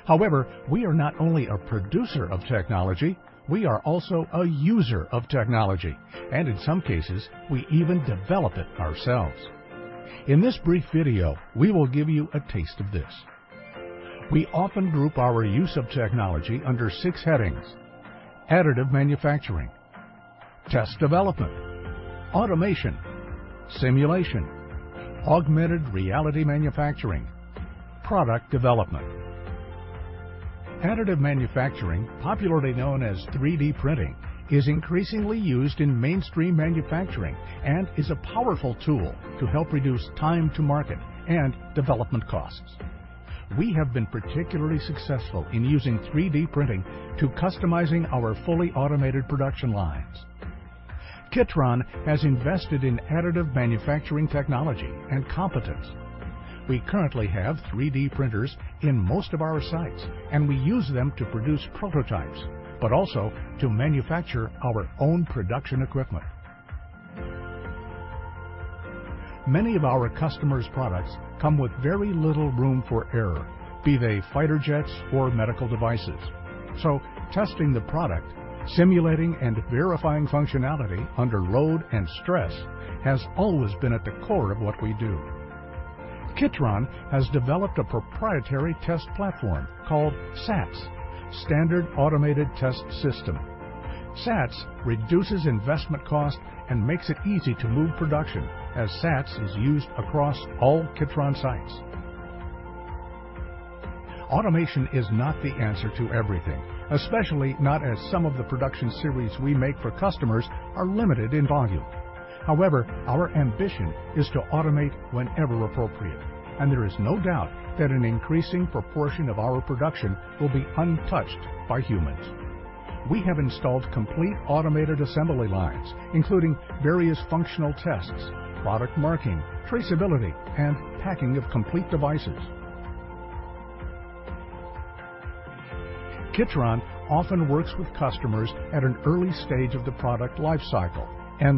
However, we are not only a producer of technology, we are also a user of technology, and in some cases, we even develop it ourselves. In this brief video, we will give you a taste of this. We often group our use of technology under six headings: additive manufacturing, test development, automation, simulation, augmented reality manufacturing, product development. additive manufacturing, popularly known as 3D printing, is increasingly used in mainstream manufacturing and is a powerful tool to help reduce time to market and development costs. We have been particularly successful in using 3D printing to customizing our fully automated production lines. Kitron has invested in additive manufacturing technology and competence. We currently have 3D printers in most of our sites, and we use them to produce prototypes, but also to manufacture our own production equipment. Many of our customers' products come with very little room for error, be they fighter jets or medical devices. Testing the product, simulating and verifying functionality under load and stress, has always been at the core of what we do. Kitron has developed a proprietary test platform called SATS, Standard Automated Test System. SATS reduces investment cost and makes it easy to move production, as SATS is used across all Kitron sites. Automation is not the answer to everything, especially not as some of the production series we make for customers are limited in volume. However, our ambition is to automate whenever appropriate, and there is no doubt that an increasing proportion of our production will be untouched by humans. We have installed complete automated assembly lines, including various functional tests, product marking, traceability, and packing of complete devices. Kitron often works with customers at an early stage of the product life cycle.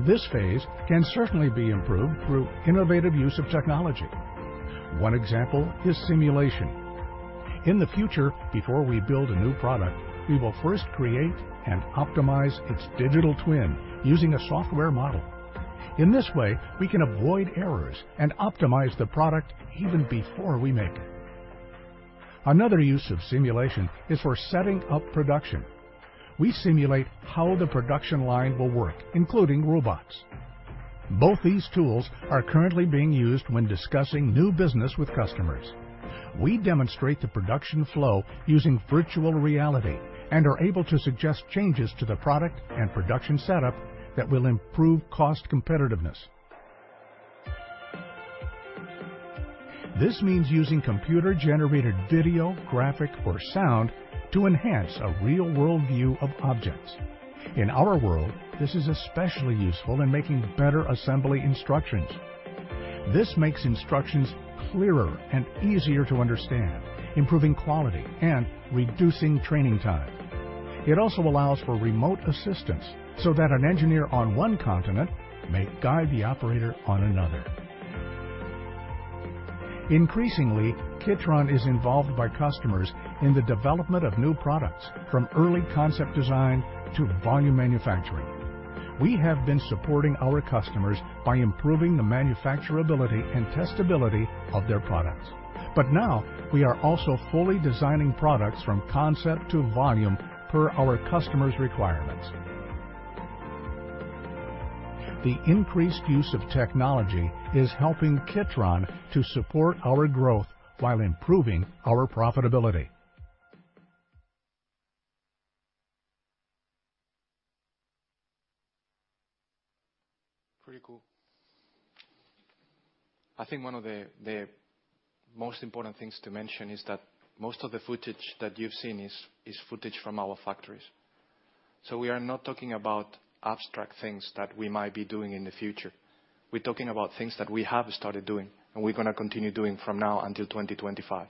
This phase can certainly be improved through innovative use of technology. One example is simulation. In the future, before we build a new product, we will first create and optimize its digital twin using a software model. In this way, we can avoid errors and optimize the product even before we make it. Another use of simulation is for setting up production. We simulate how the production line will work, including robots. Both these tools are currently being used when discussing new business with customers. We demonstrate the production flow using virtual reality and are able to suggest changes to the product and production setup that will improve cost competitiveness. This means using computer-generated video, graphic, or sound to enhance a real-world view of objects. In our world, this is especially useful in making better assembly instructions. This makes instructions clearer and easier to understand, improving quality and reducing training time. It also allows for remote assistance so that an engineer on one continent may guide the operator on another. Increasingly, Kitron is involved by customers in the development of new products, from early concept design to volume manufacturing. We have been supporting our customers by improving the manufacturability and testability of their products. Now we are also fully designing products from concept to volume per our customers' requirements. The increased use of technology is helping Kitron to support our growth while improving our profitability. Pretty cool. I think one of the most important things to mention is that most of the footage that you've seen is footage from our factories. We are not talking about abstract things that we might be doing in the future. We're talking about things that we have started doing, and we're going to continue doing from now until 2025.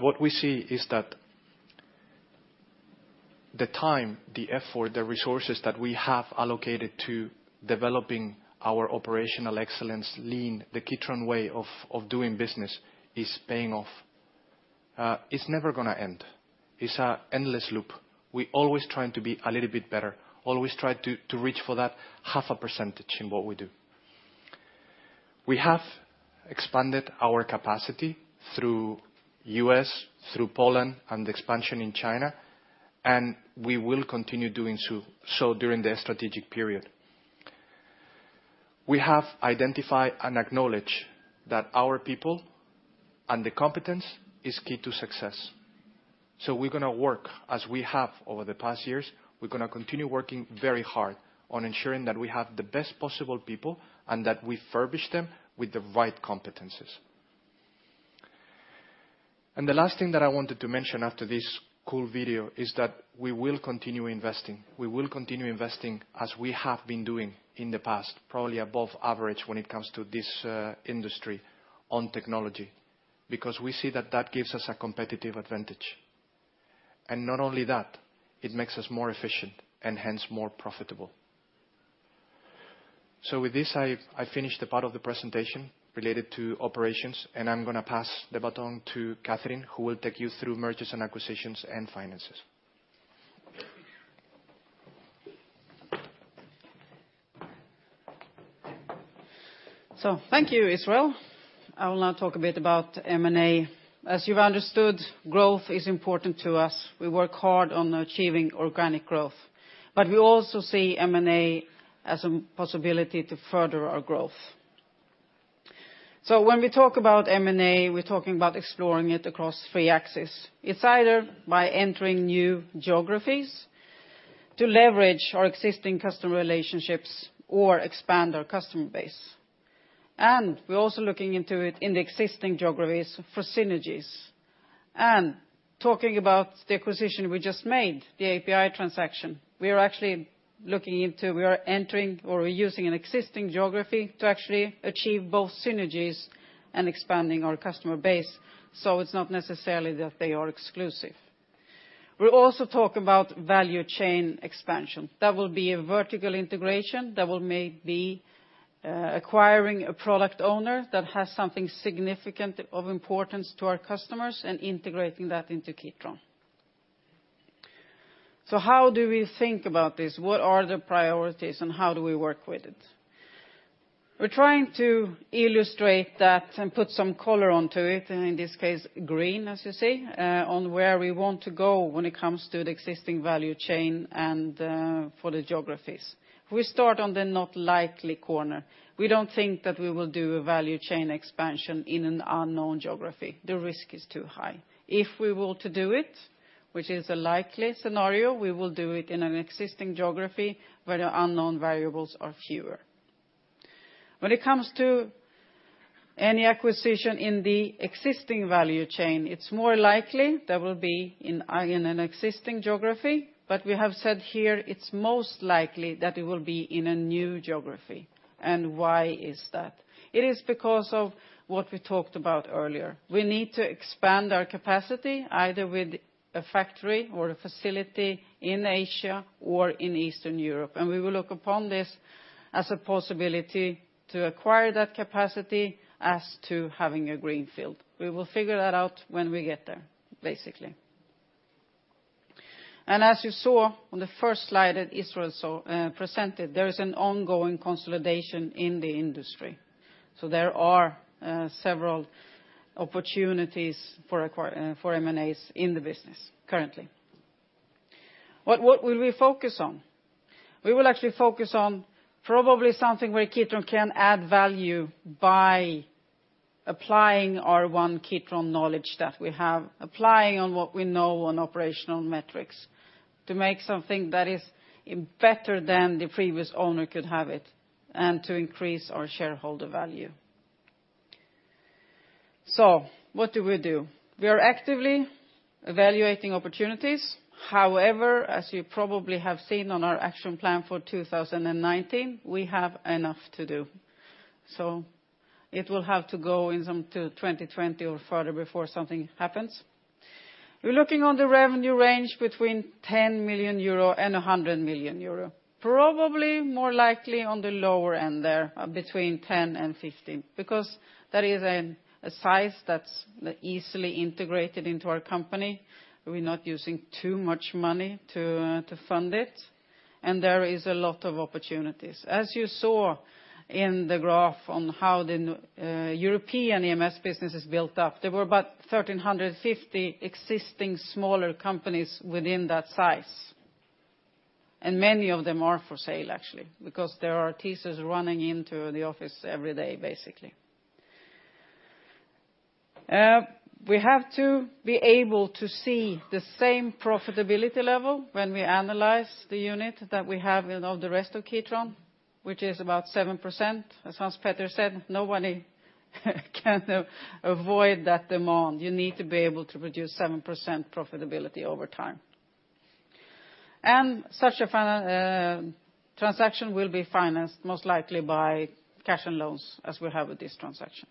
What we see is that the time, the effort, the resources that we have allocated to developing our operational excellence lean, the Kitron Way of doing business is paying off. It's never going to end. It's a endless loop. We always trying to be a little bit better, always try to reach for that half a % in what we do. We have expanded our capacity through U.S., through Poland and expansion in China. We will continue doing so during the strategic period. We have identified and acknowledged that our people and the competence is key to success. We're going to work, as we have over the past years, we're going to continue working very hard on ensuring that we have the best possible people and that we furbish them with the right competencies. The last thing that I wanted to mention after this cool video is that we will continue investing. We will continue investing as we have been doing in the past, probably above average when it comes to this industry on technology, because we see that that gives us a competitive advantage. Not only that, it makes us more efficient and hence more profitable. With this, I finish the part of the presentation related to operations, and I'm going to pass the baton to Cathrin, who will take you through mergers and acquisitions and finances. Thank you, Israel. I will now talk a bit about M&A. As you've understood, growth is important to us. We work hard on achieving organic growth, but we also see M&A as a possibility to further our growth. When we talk about M&A, we're talking about exploring it across 3 axes. It's either by entering new geographies to leverage our existing customer relationships or expand our customer base. We're also looking into it in the existing geographies for synergies. Talking about the acquisition we just made, the API transaction, we are actually entering or reusing an existing geography to actually achieve both synergies and expanding our customer base, so it's not necessarily that they are exclusive. We'll also talk about value chain expansion. That will be a vertical integration that will may be acquiring a product owner that has something significant of importance to our customers and integrating that into Kitron. How do we think about this? What are the priorities and how do we work with it? We're trying to illustrate that and put some color onto it, and in this case, green, as you see, on where we want to go when it comes to the existing value chain and for the geographies. If we start on the not likely corner, we don't think that we will do a value chain expansion in an unknown geography. The risk is too high. If we were to do it, which is a likely scenario, we will do it in an existing geography where the unknown variables are fewer. When it comes to any acquisition in the existing value chain, it's more likely that will be in an existing geography, but we have said here it's most likely that it will be in a new geography. Why is that? It is because of what we talked about earlier. We need to expand our capacity either with a factory or a facility in Asia or in Eastern Europe. We will look upon this as a possibility to acquire that capacity as to having a greenfield. We will figure that out when we get there, basically. As you saw on the first slide that Israel so presented, there is an ongoing consolidation in the industry, so there are several opportunities for M&As in the business currently. What will we focus on? We will actually focus on probably something where Kitron can add value by applying our One Kitron knowledge that we have, applying on what we know on operational metrics to make something that is better than the previous owner could have it and to increase our shareholder value. What do we do? We are actively evaluating opportunities. However, as you probably have seen on our action plan for 2019, we have enough to do, so it will have to go in some to 2020 or further before something happens. We're looking on the revenue range between 10 million euro and 100 million euro, probably more likely on the lower end there, between 10 million and 50 million, because that is a size that's easily integrated into our company. We're not using too much money to fund it, and there is a lot of opportunities. As you saw in the graph on how the European EMS business is built up, there were about 1,350 existing smaller companies within that size, and many of them are for sale actually because there are teasers running into the office every day basically. We have to be able to see the same profitability level when we analyze the unit that we have in all the rest of Kitron, which is about 7%. As Hans Petter said, nobody can avoid that demand. You need to be able to produce 7% profitability over time. Such a transaction will be financed most likely by cash and loans as we have with this transaction.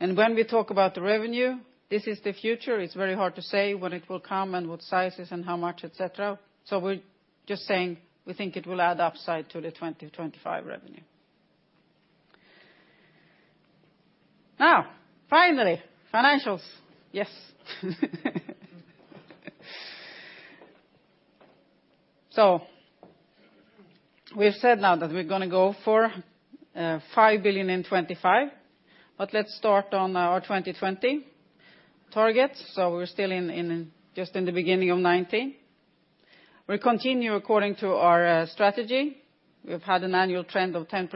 When we talk about the revenue, this is the future. It's very hard to say when it will come and what sizes and how much, et cetera. We're just saying we think it will add upside to the 2025 revenue. Finally, financials. Yes. We've said now that we're going to go for 5 billion in 2025, but let's start on our 2020 targets. We're still just in the beginning of 2019. We continue according to our strategy. We've had an annual trend of 10%,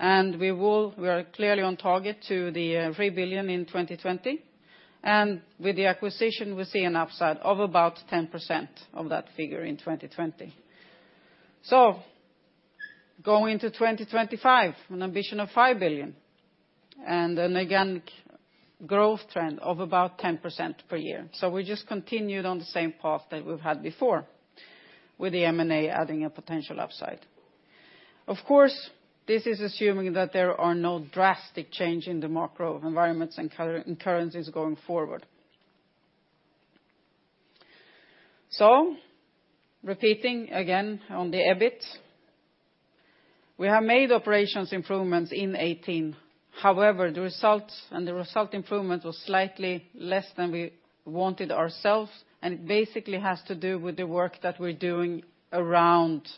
and we are clearly on target to the 3 billion in 2020. With the acquisition, we see an upside of about 10% of that figure in 2020. Going to 2025, an ambition of 5 billion and an organic growth trend of about 10% per year. We just continued on the same path that we've had before with the M&A adding a potential upside. Of course, this is assuming that there are no drastic change in the macro environments and currencies going forward. Repeating again on the EBIT, we have made operations improvements in 2018. However, the results and the result improvement was slightly less than we wanted ourselves and basically has to do with the work that we're doing around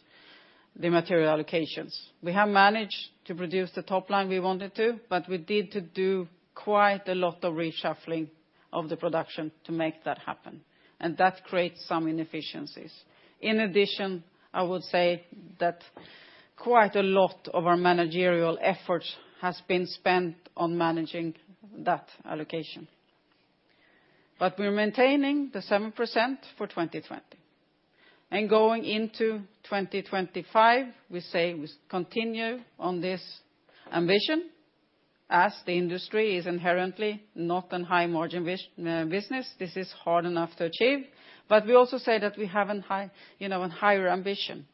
the material allocations. We have managed to produce the top line we wanted to, but we did to do quite a lot of reshuffling of the production to make that happen, and that creates some inefficiencies. In addition, I would say that quite a lot of our managerial effort has been spent on managing that allocation. We're maintaining the 7% for 2020. Going into 2025, we say we continue on this ambition as the industry is inherently not on high margin business. This is hard enough to achieve, we also say that we have an high, an higher ambition.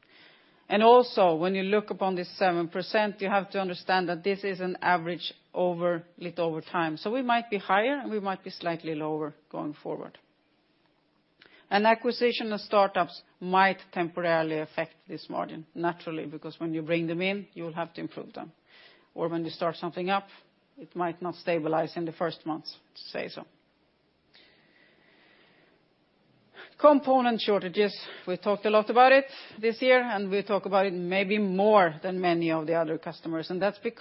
Also, when you look upon this 7%, you have to understand that this is an average over time. We might be higher, and we might be slightly lower going forward. An acquisition of startups might temporarily affect this margin naturally because when you bring them in, you will have to improve them, or when you start something up, it might not stabilize in the first months, to say so. Component shortages, we talked a lot about it this year, and we talk about it maybe more than many of the other customers,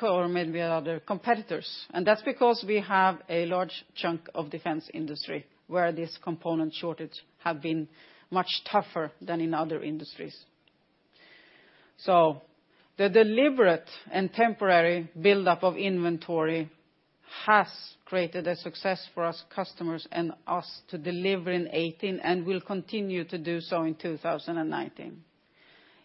or maybe other competitors. That's because we have a large chunk of defense industry where this component shortage have been much tougher than in other industries. The deliberate and temporary buildup of inventory has created a success for us, customers, and us to deliver in 2018, and we'll continue to do so in 2019.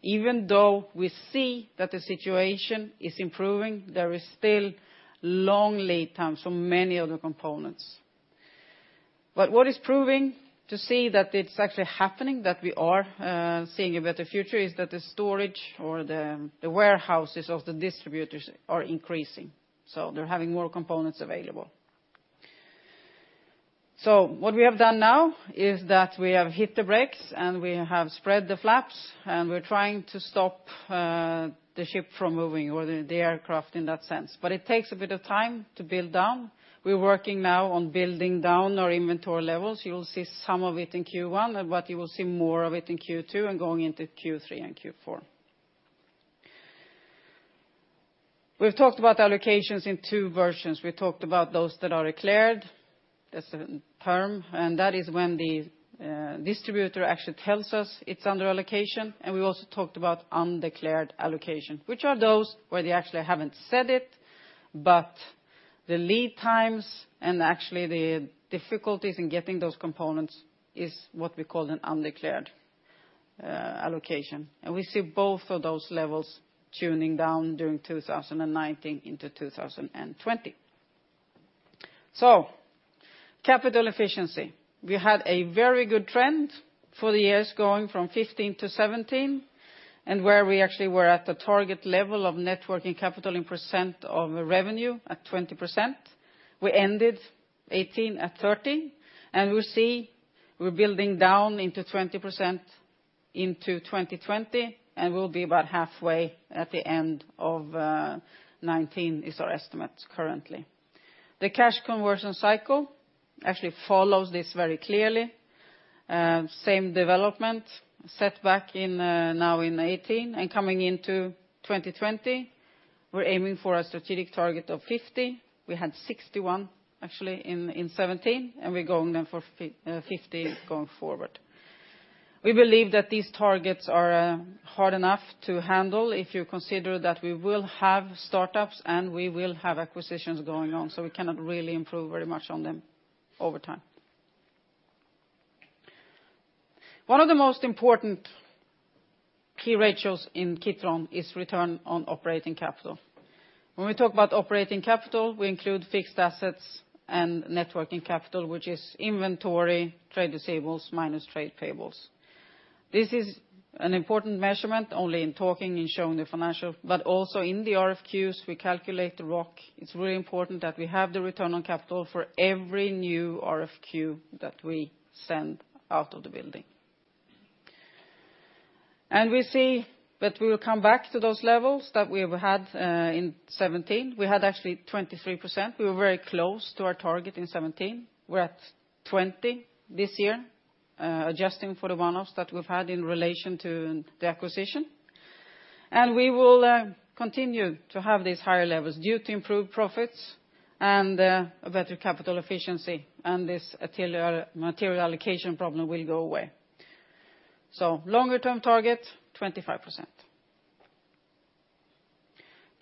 Even though we see that the situation is improving, there is still long lead times for many of the components. What is proving to see that it's actually happening, that we are seeing a better future, is that the storage or the warehouses of the distributors are increasing, so they're having more components available. What we have done now is that we have hit the brakes, and we have spread the flaps, and we're trying to stop the ship from moving or the aircraft in that sense. It takes a bit of time to build down. We're working now on building down our inventory levels. You will see some of it in Q1, you will see more of it in Q2 and going into Q3 and Q4. We've talked about allocations in 2 versions. We talked about those that are declared as a term, and that is when the distributor actually tells us it's under allocation. We also talked about undeclared allocation, which are those where they actually haven't said it, but the lead times and actually the difficulties in getting those components is what we call an undeclared allocation. We see both of those levels tuning down during 2019 into 2020. Capital efficiency. We had a very good trend for the years going from 2015 to 2017, and where we actually were at the target level of net working capital in % of revenue at 20%. We ended 2018 at 30%, and we see we're building down into 20% into 2020, and we'll be about halfway at the end of 2019 is our estimate currently. The cash conversion cycle actually follows this very clearly. Same development, set back in now in 2018, and coming into 2020, we're aiming for a strategic target of 50. We had 61 actually in 2017, and we're going then for 50 going forward. We believe that these targets are hard enough to handle if you consider that we will have startups and we will have acquisitions going on, so we cannot really improve very much on them over time. One of the most important key ratios in Kitron is return on operating capital. When we talk about operating capital, we include fixed assets and net working capital, which is inventory, trade receivables minus trade payables. This is an important measurement only in talking, in showing the financial, but also in the RFQs we calculate the ROC. It's really important that we have the return on capital for every new RFQ that we send out of the building. We see that we will come back to those levels that we have had in 2017. We had actually 23%. We were very close to our target in 2017. We're at 20% this year, adjusting for the one-offs that we've had in relation to the acquisition. We will continue to have these higher levels due to improved profits and a better capital efficiency, and this material allocation problem will go away. Longer-term target, 25%.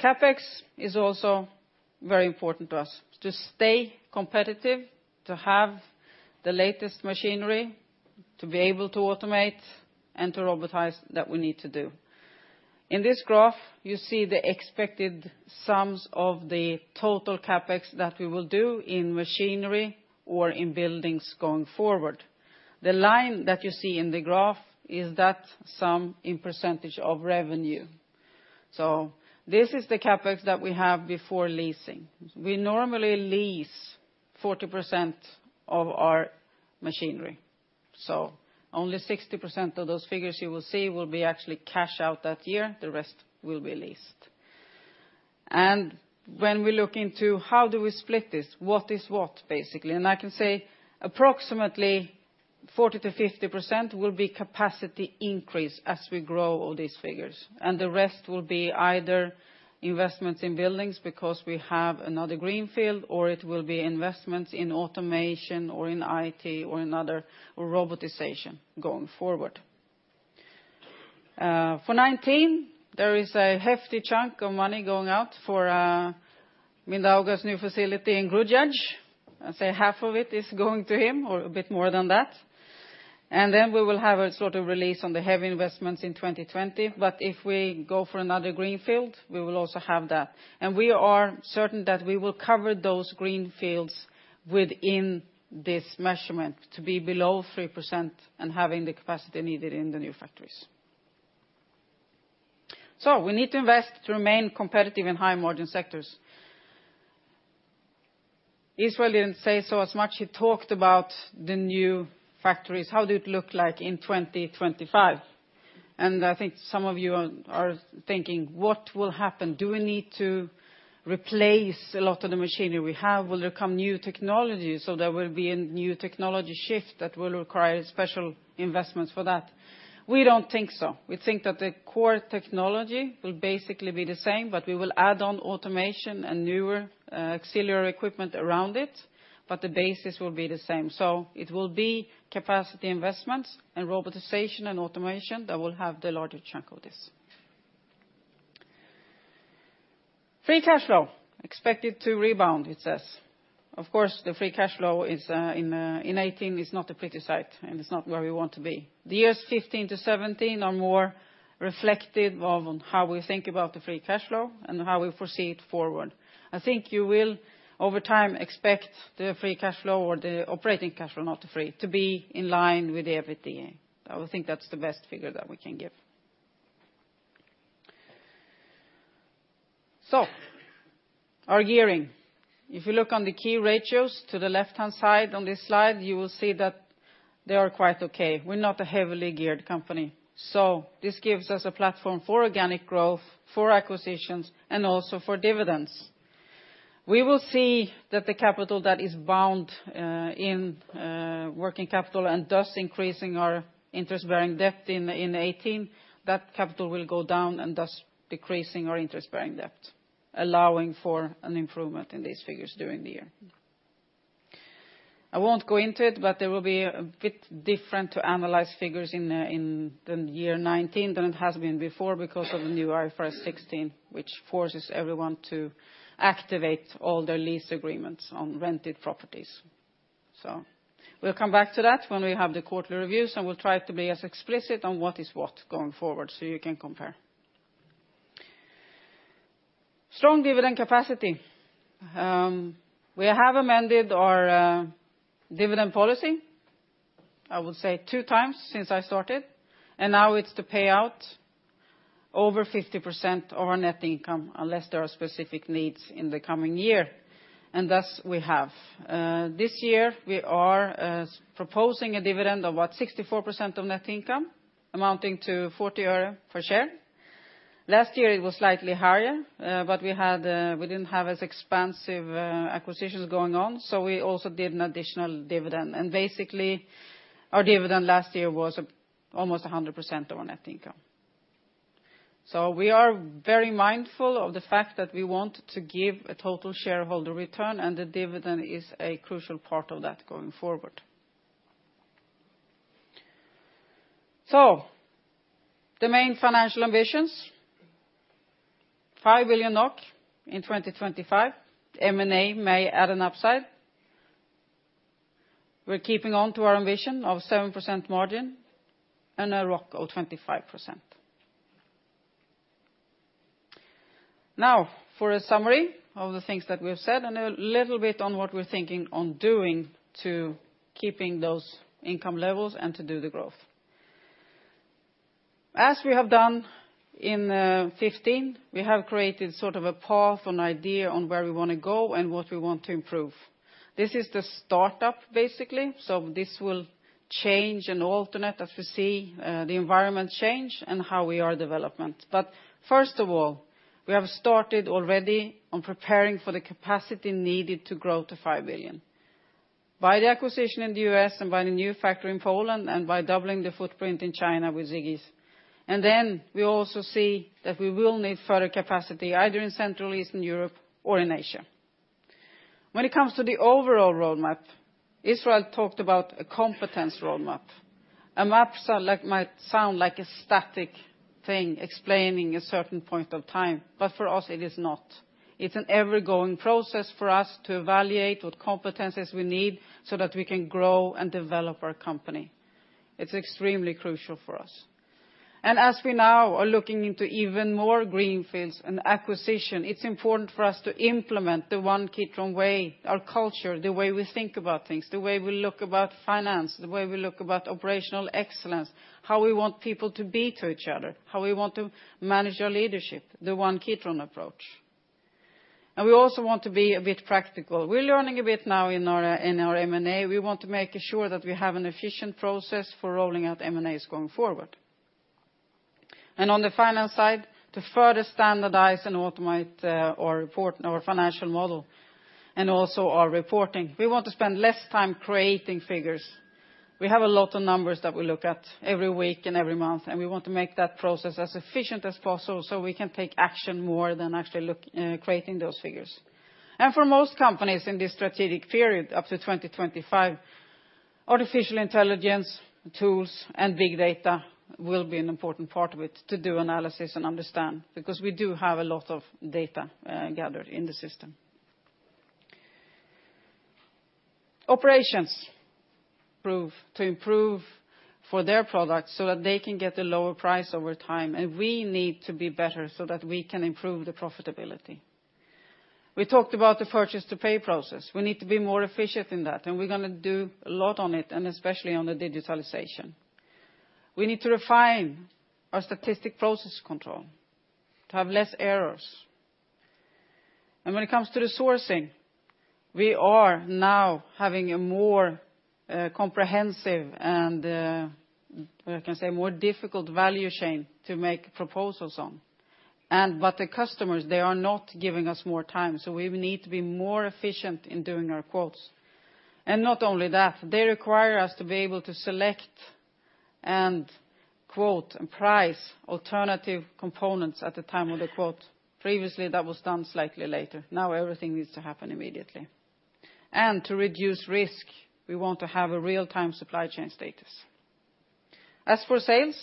CapEx is also very important to us to stay competitive, to have the latest machinery, to be able to automate and to robotize that we need to do. In this graph, you see the expected sums of the total CapEx that we will do in machinery or in buildings going forward. The line that you see in the graph is that sum in percentage of revenue. This is the CapEx that we have before leasing. We normally lease 40% of our machinery, so only 60% of those figures you will see will be actually cash out that year. The rest will be leased. When we look into how do we split this, what is what, basically, I can say approximately 40%-50% will be capacity increase as we grow all these figures. The rest will be either investments in buildings because we have another greenfield or it will be investments in automation or in IT or in robotization going forward. For 2019, there is a hefty chunk of money going out for Mindaugas' new facility in Grudziądz. I'd say half of it is going to him or a bit more than that. Then we will have a sort of release on the heavy investments in 2020. If we go for another greenfield, we will also have that. We are certain that we will cover those greenfields within this measurement to be below 3% and having the capacity needed in the new factories. We need to invest to remain competitive in high-margin sectors. Israel didn't say so as much. He talked about the new factories, how do it look like in 2025? I think some of you are thinking, what will happen? Do we need to replace a lot of the machinery we have? Will there come new technology, so there will be a new technology shift that will require special investments for that? We don't think so. We think that the core technology will basically be the same, but we will add on automation and newer auxiliary equipment around it, but the basis will be the same. It will be capacity investments and robotization and automation that will have the largest chunk of this. Free cash flow, expected to rebound it says. Of course, the free cash flow is in 2018 is not a pretty sight, and it's not where we want to be. The years 2015-2017 are more reflective of how we think about the free cash flow and how we foresee it forward. I think you will over time expect the free cash flow or the operating cash flow, not the free, to be in line with the EBITDA. I would think that's the best figure that we can give. Our gearing. If you look on the key ratios to the left-hand side on this slide, you will see that they are quite okay. We're not a heavily geared company. This gives us a platform for organic growth, for acquisitions, and also for dividends. We will see that the capital that is bound in working capital and thus increasing our interest-bearing debt in 2018, that capital will go down and thus decreasing our interest-bearing debt, allowing for an improvement in these figures during the year. I won't go into it, there will be a bit different to analyze figures in the year 2019 than it has been before because of the new IFRS 16, which forces everyone to activate all their lease agreements on rented properties. We'll come back to that when we have the quarterly reviews, and we'll try to be as explicit on what is what going forward so you can compare. Strong dividend capacity. We have amended our dividend policy, I would say two times since I started, and now it's to pay out over 50% of our net income unless there are specific needs in the coming year. Thus we have. This year we are proposing a dividend of about 64% of net income amounting to 40 euro per share. Last year it was slightly higher, but we had we didn't have as expansive acquisitions going on, so we also did an additional dividend. Basically, our dividend last year was almost 100% of our net income. We are very mindful of the fact that we want to give a total shareholder return, and the dividend is a crucial part of that going forward. The main financial ambitions, 5 billion NOK in 2025, M&A may add an upside. We're keeping on to our ambition of 7% margin and a ROC of 25%. For a summary of the things that we've said and a little bit on what we're thinking on doing to keeping those income levels and to do the growth. As we have done in 2015, we have created sort of a path, an idea on where we want to go and what we want to improve. This is the start up, basically, so this will change and alternate as we see the environment change and how we are development. First of all, we have started already on preparing for the capacity needed to grow to 5 billion. By the acquisition in the U.S. and by the new factory in Poland and by doubling the footprint in China with Ziggys. We also see that we will need further capacity either in Central Eastern Europe or in Asia. When it comes to the overall roadmap, Israel talked about a competence roadmap. A map sound like, might sound like a static thing explaining a certain point of time, but for us it is not. It's an ever-going process for us to evaluate what competencies we need so that we can grow and develop our company. It's extremely crucial for us. As we now are looking into even more greenfields and acquisition, it's important for us to implement the One Kitron Way, our culture, the way we think about things, the way we look about finance, the way we look about operational excellence, how we want people to be to each other, how we want to manage our leadership, the One Kitron approach. We also want to be a bit practical. We're learning a bit now in our, in our M&A. We want to make sure that we have an efficient process for rolling out M&As going forward. On the finance side, to further standardize and automate our report, our financial model and also our reporting. We want to spend less time creating figures. We have a lot of numbers that we look at every week and every month, and we want to make that process as efficient as possible, so we can take action more than actually look, creating those figures. For most companies in this strategic period up to 2025, artificial intelligence tools and big data will be an important part of it to do analysis and understand because we do have a lot of data gathered in the system. Operations. Prove to improve for their products so that they can get a lower price over time, and we need to be better so that we can improve the profitability. We talked about the Purchase-to-Pay process. We need to be more efficient in that, and we're going to do a lot on it, and especially on the digitalization. We need to refine our statistical process control to have less errors. When it comes to the sourcing, we are now having a more comprehensive and what I can say, more difficult value chain to make proposals on. The customers, they are not giving us more time, so we need to be more efficient in doing our quotes. Not only that, they require us to be able to select and quote and price alternative components at the time of the quote. Previously, that was done slightly later. Now, everything needs to happen immediately. To reduce risk, we want to have a real-time supply chain status. As for sales,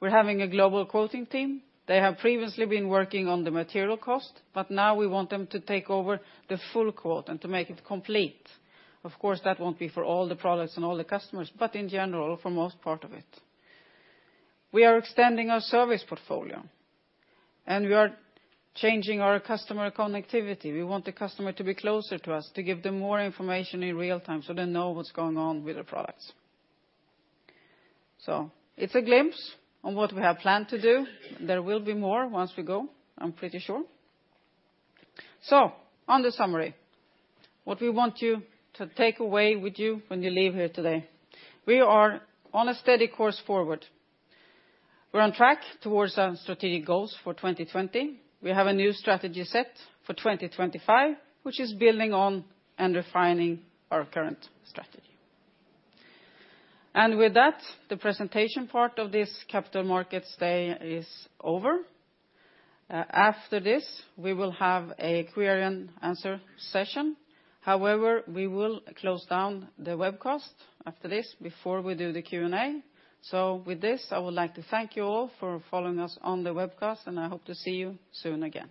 we're having a global quoting team. They have previously been working on the material cost, but now we want them to take over the full quote and to make it complete. Of course, that won't be for all the products and all the customers, but in general, for most part of it. We are extending our service portfolio, and we are changing our customer connectivity. We want the customer to be closer to us, to give them more information in real time, so they know what's going on with the products. It's a glimpse on what we have planned to do. There will be more once we go, I'm pretty sure. On to summary, what we want you to take away with you when you leave here today. We are on a steady course forward. We're on track towards our strategic goals for 2020. We have a new strategy set for 2025, which is building on and refining our current strategy. With that, the presentation part of this Capital Markets Day is over. After this, we will have a query and answer session. However, we will close down the webcast after this before we do the Q&A. With this, I would like to thank you all for following us on the webcast, and I hope to see you soon again.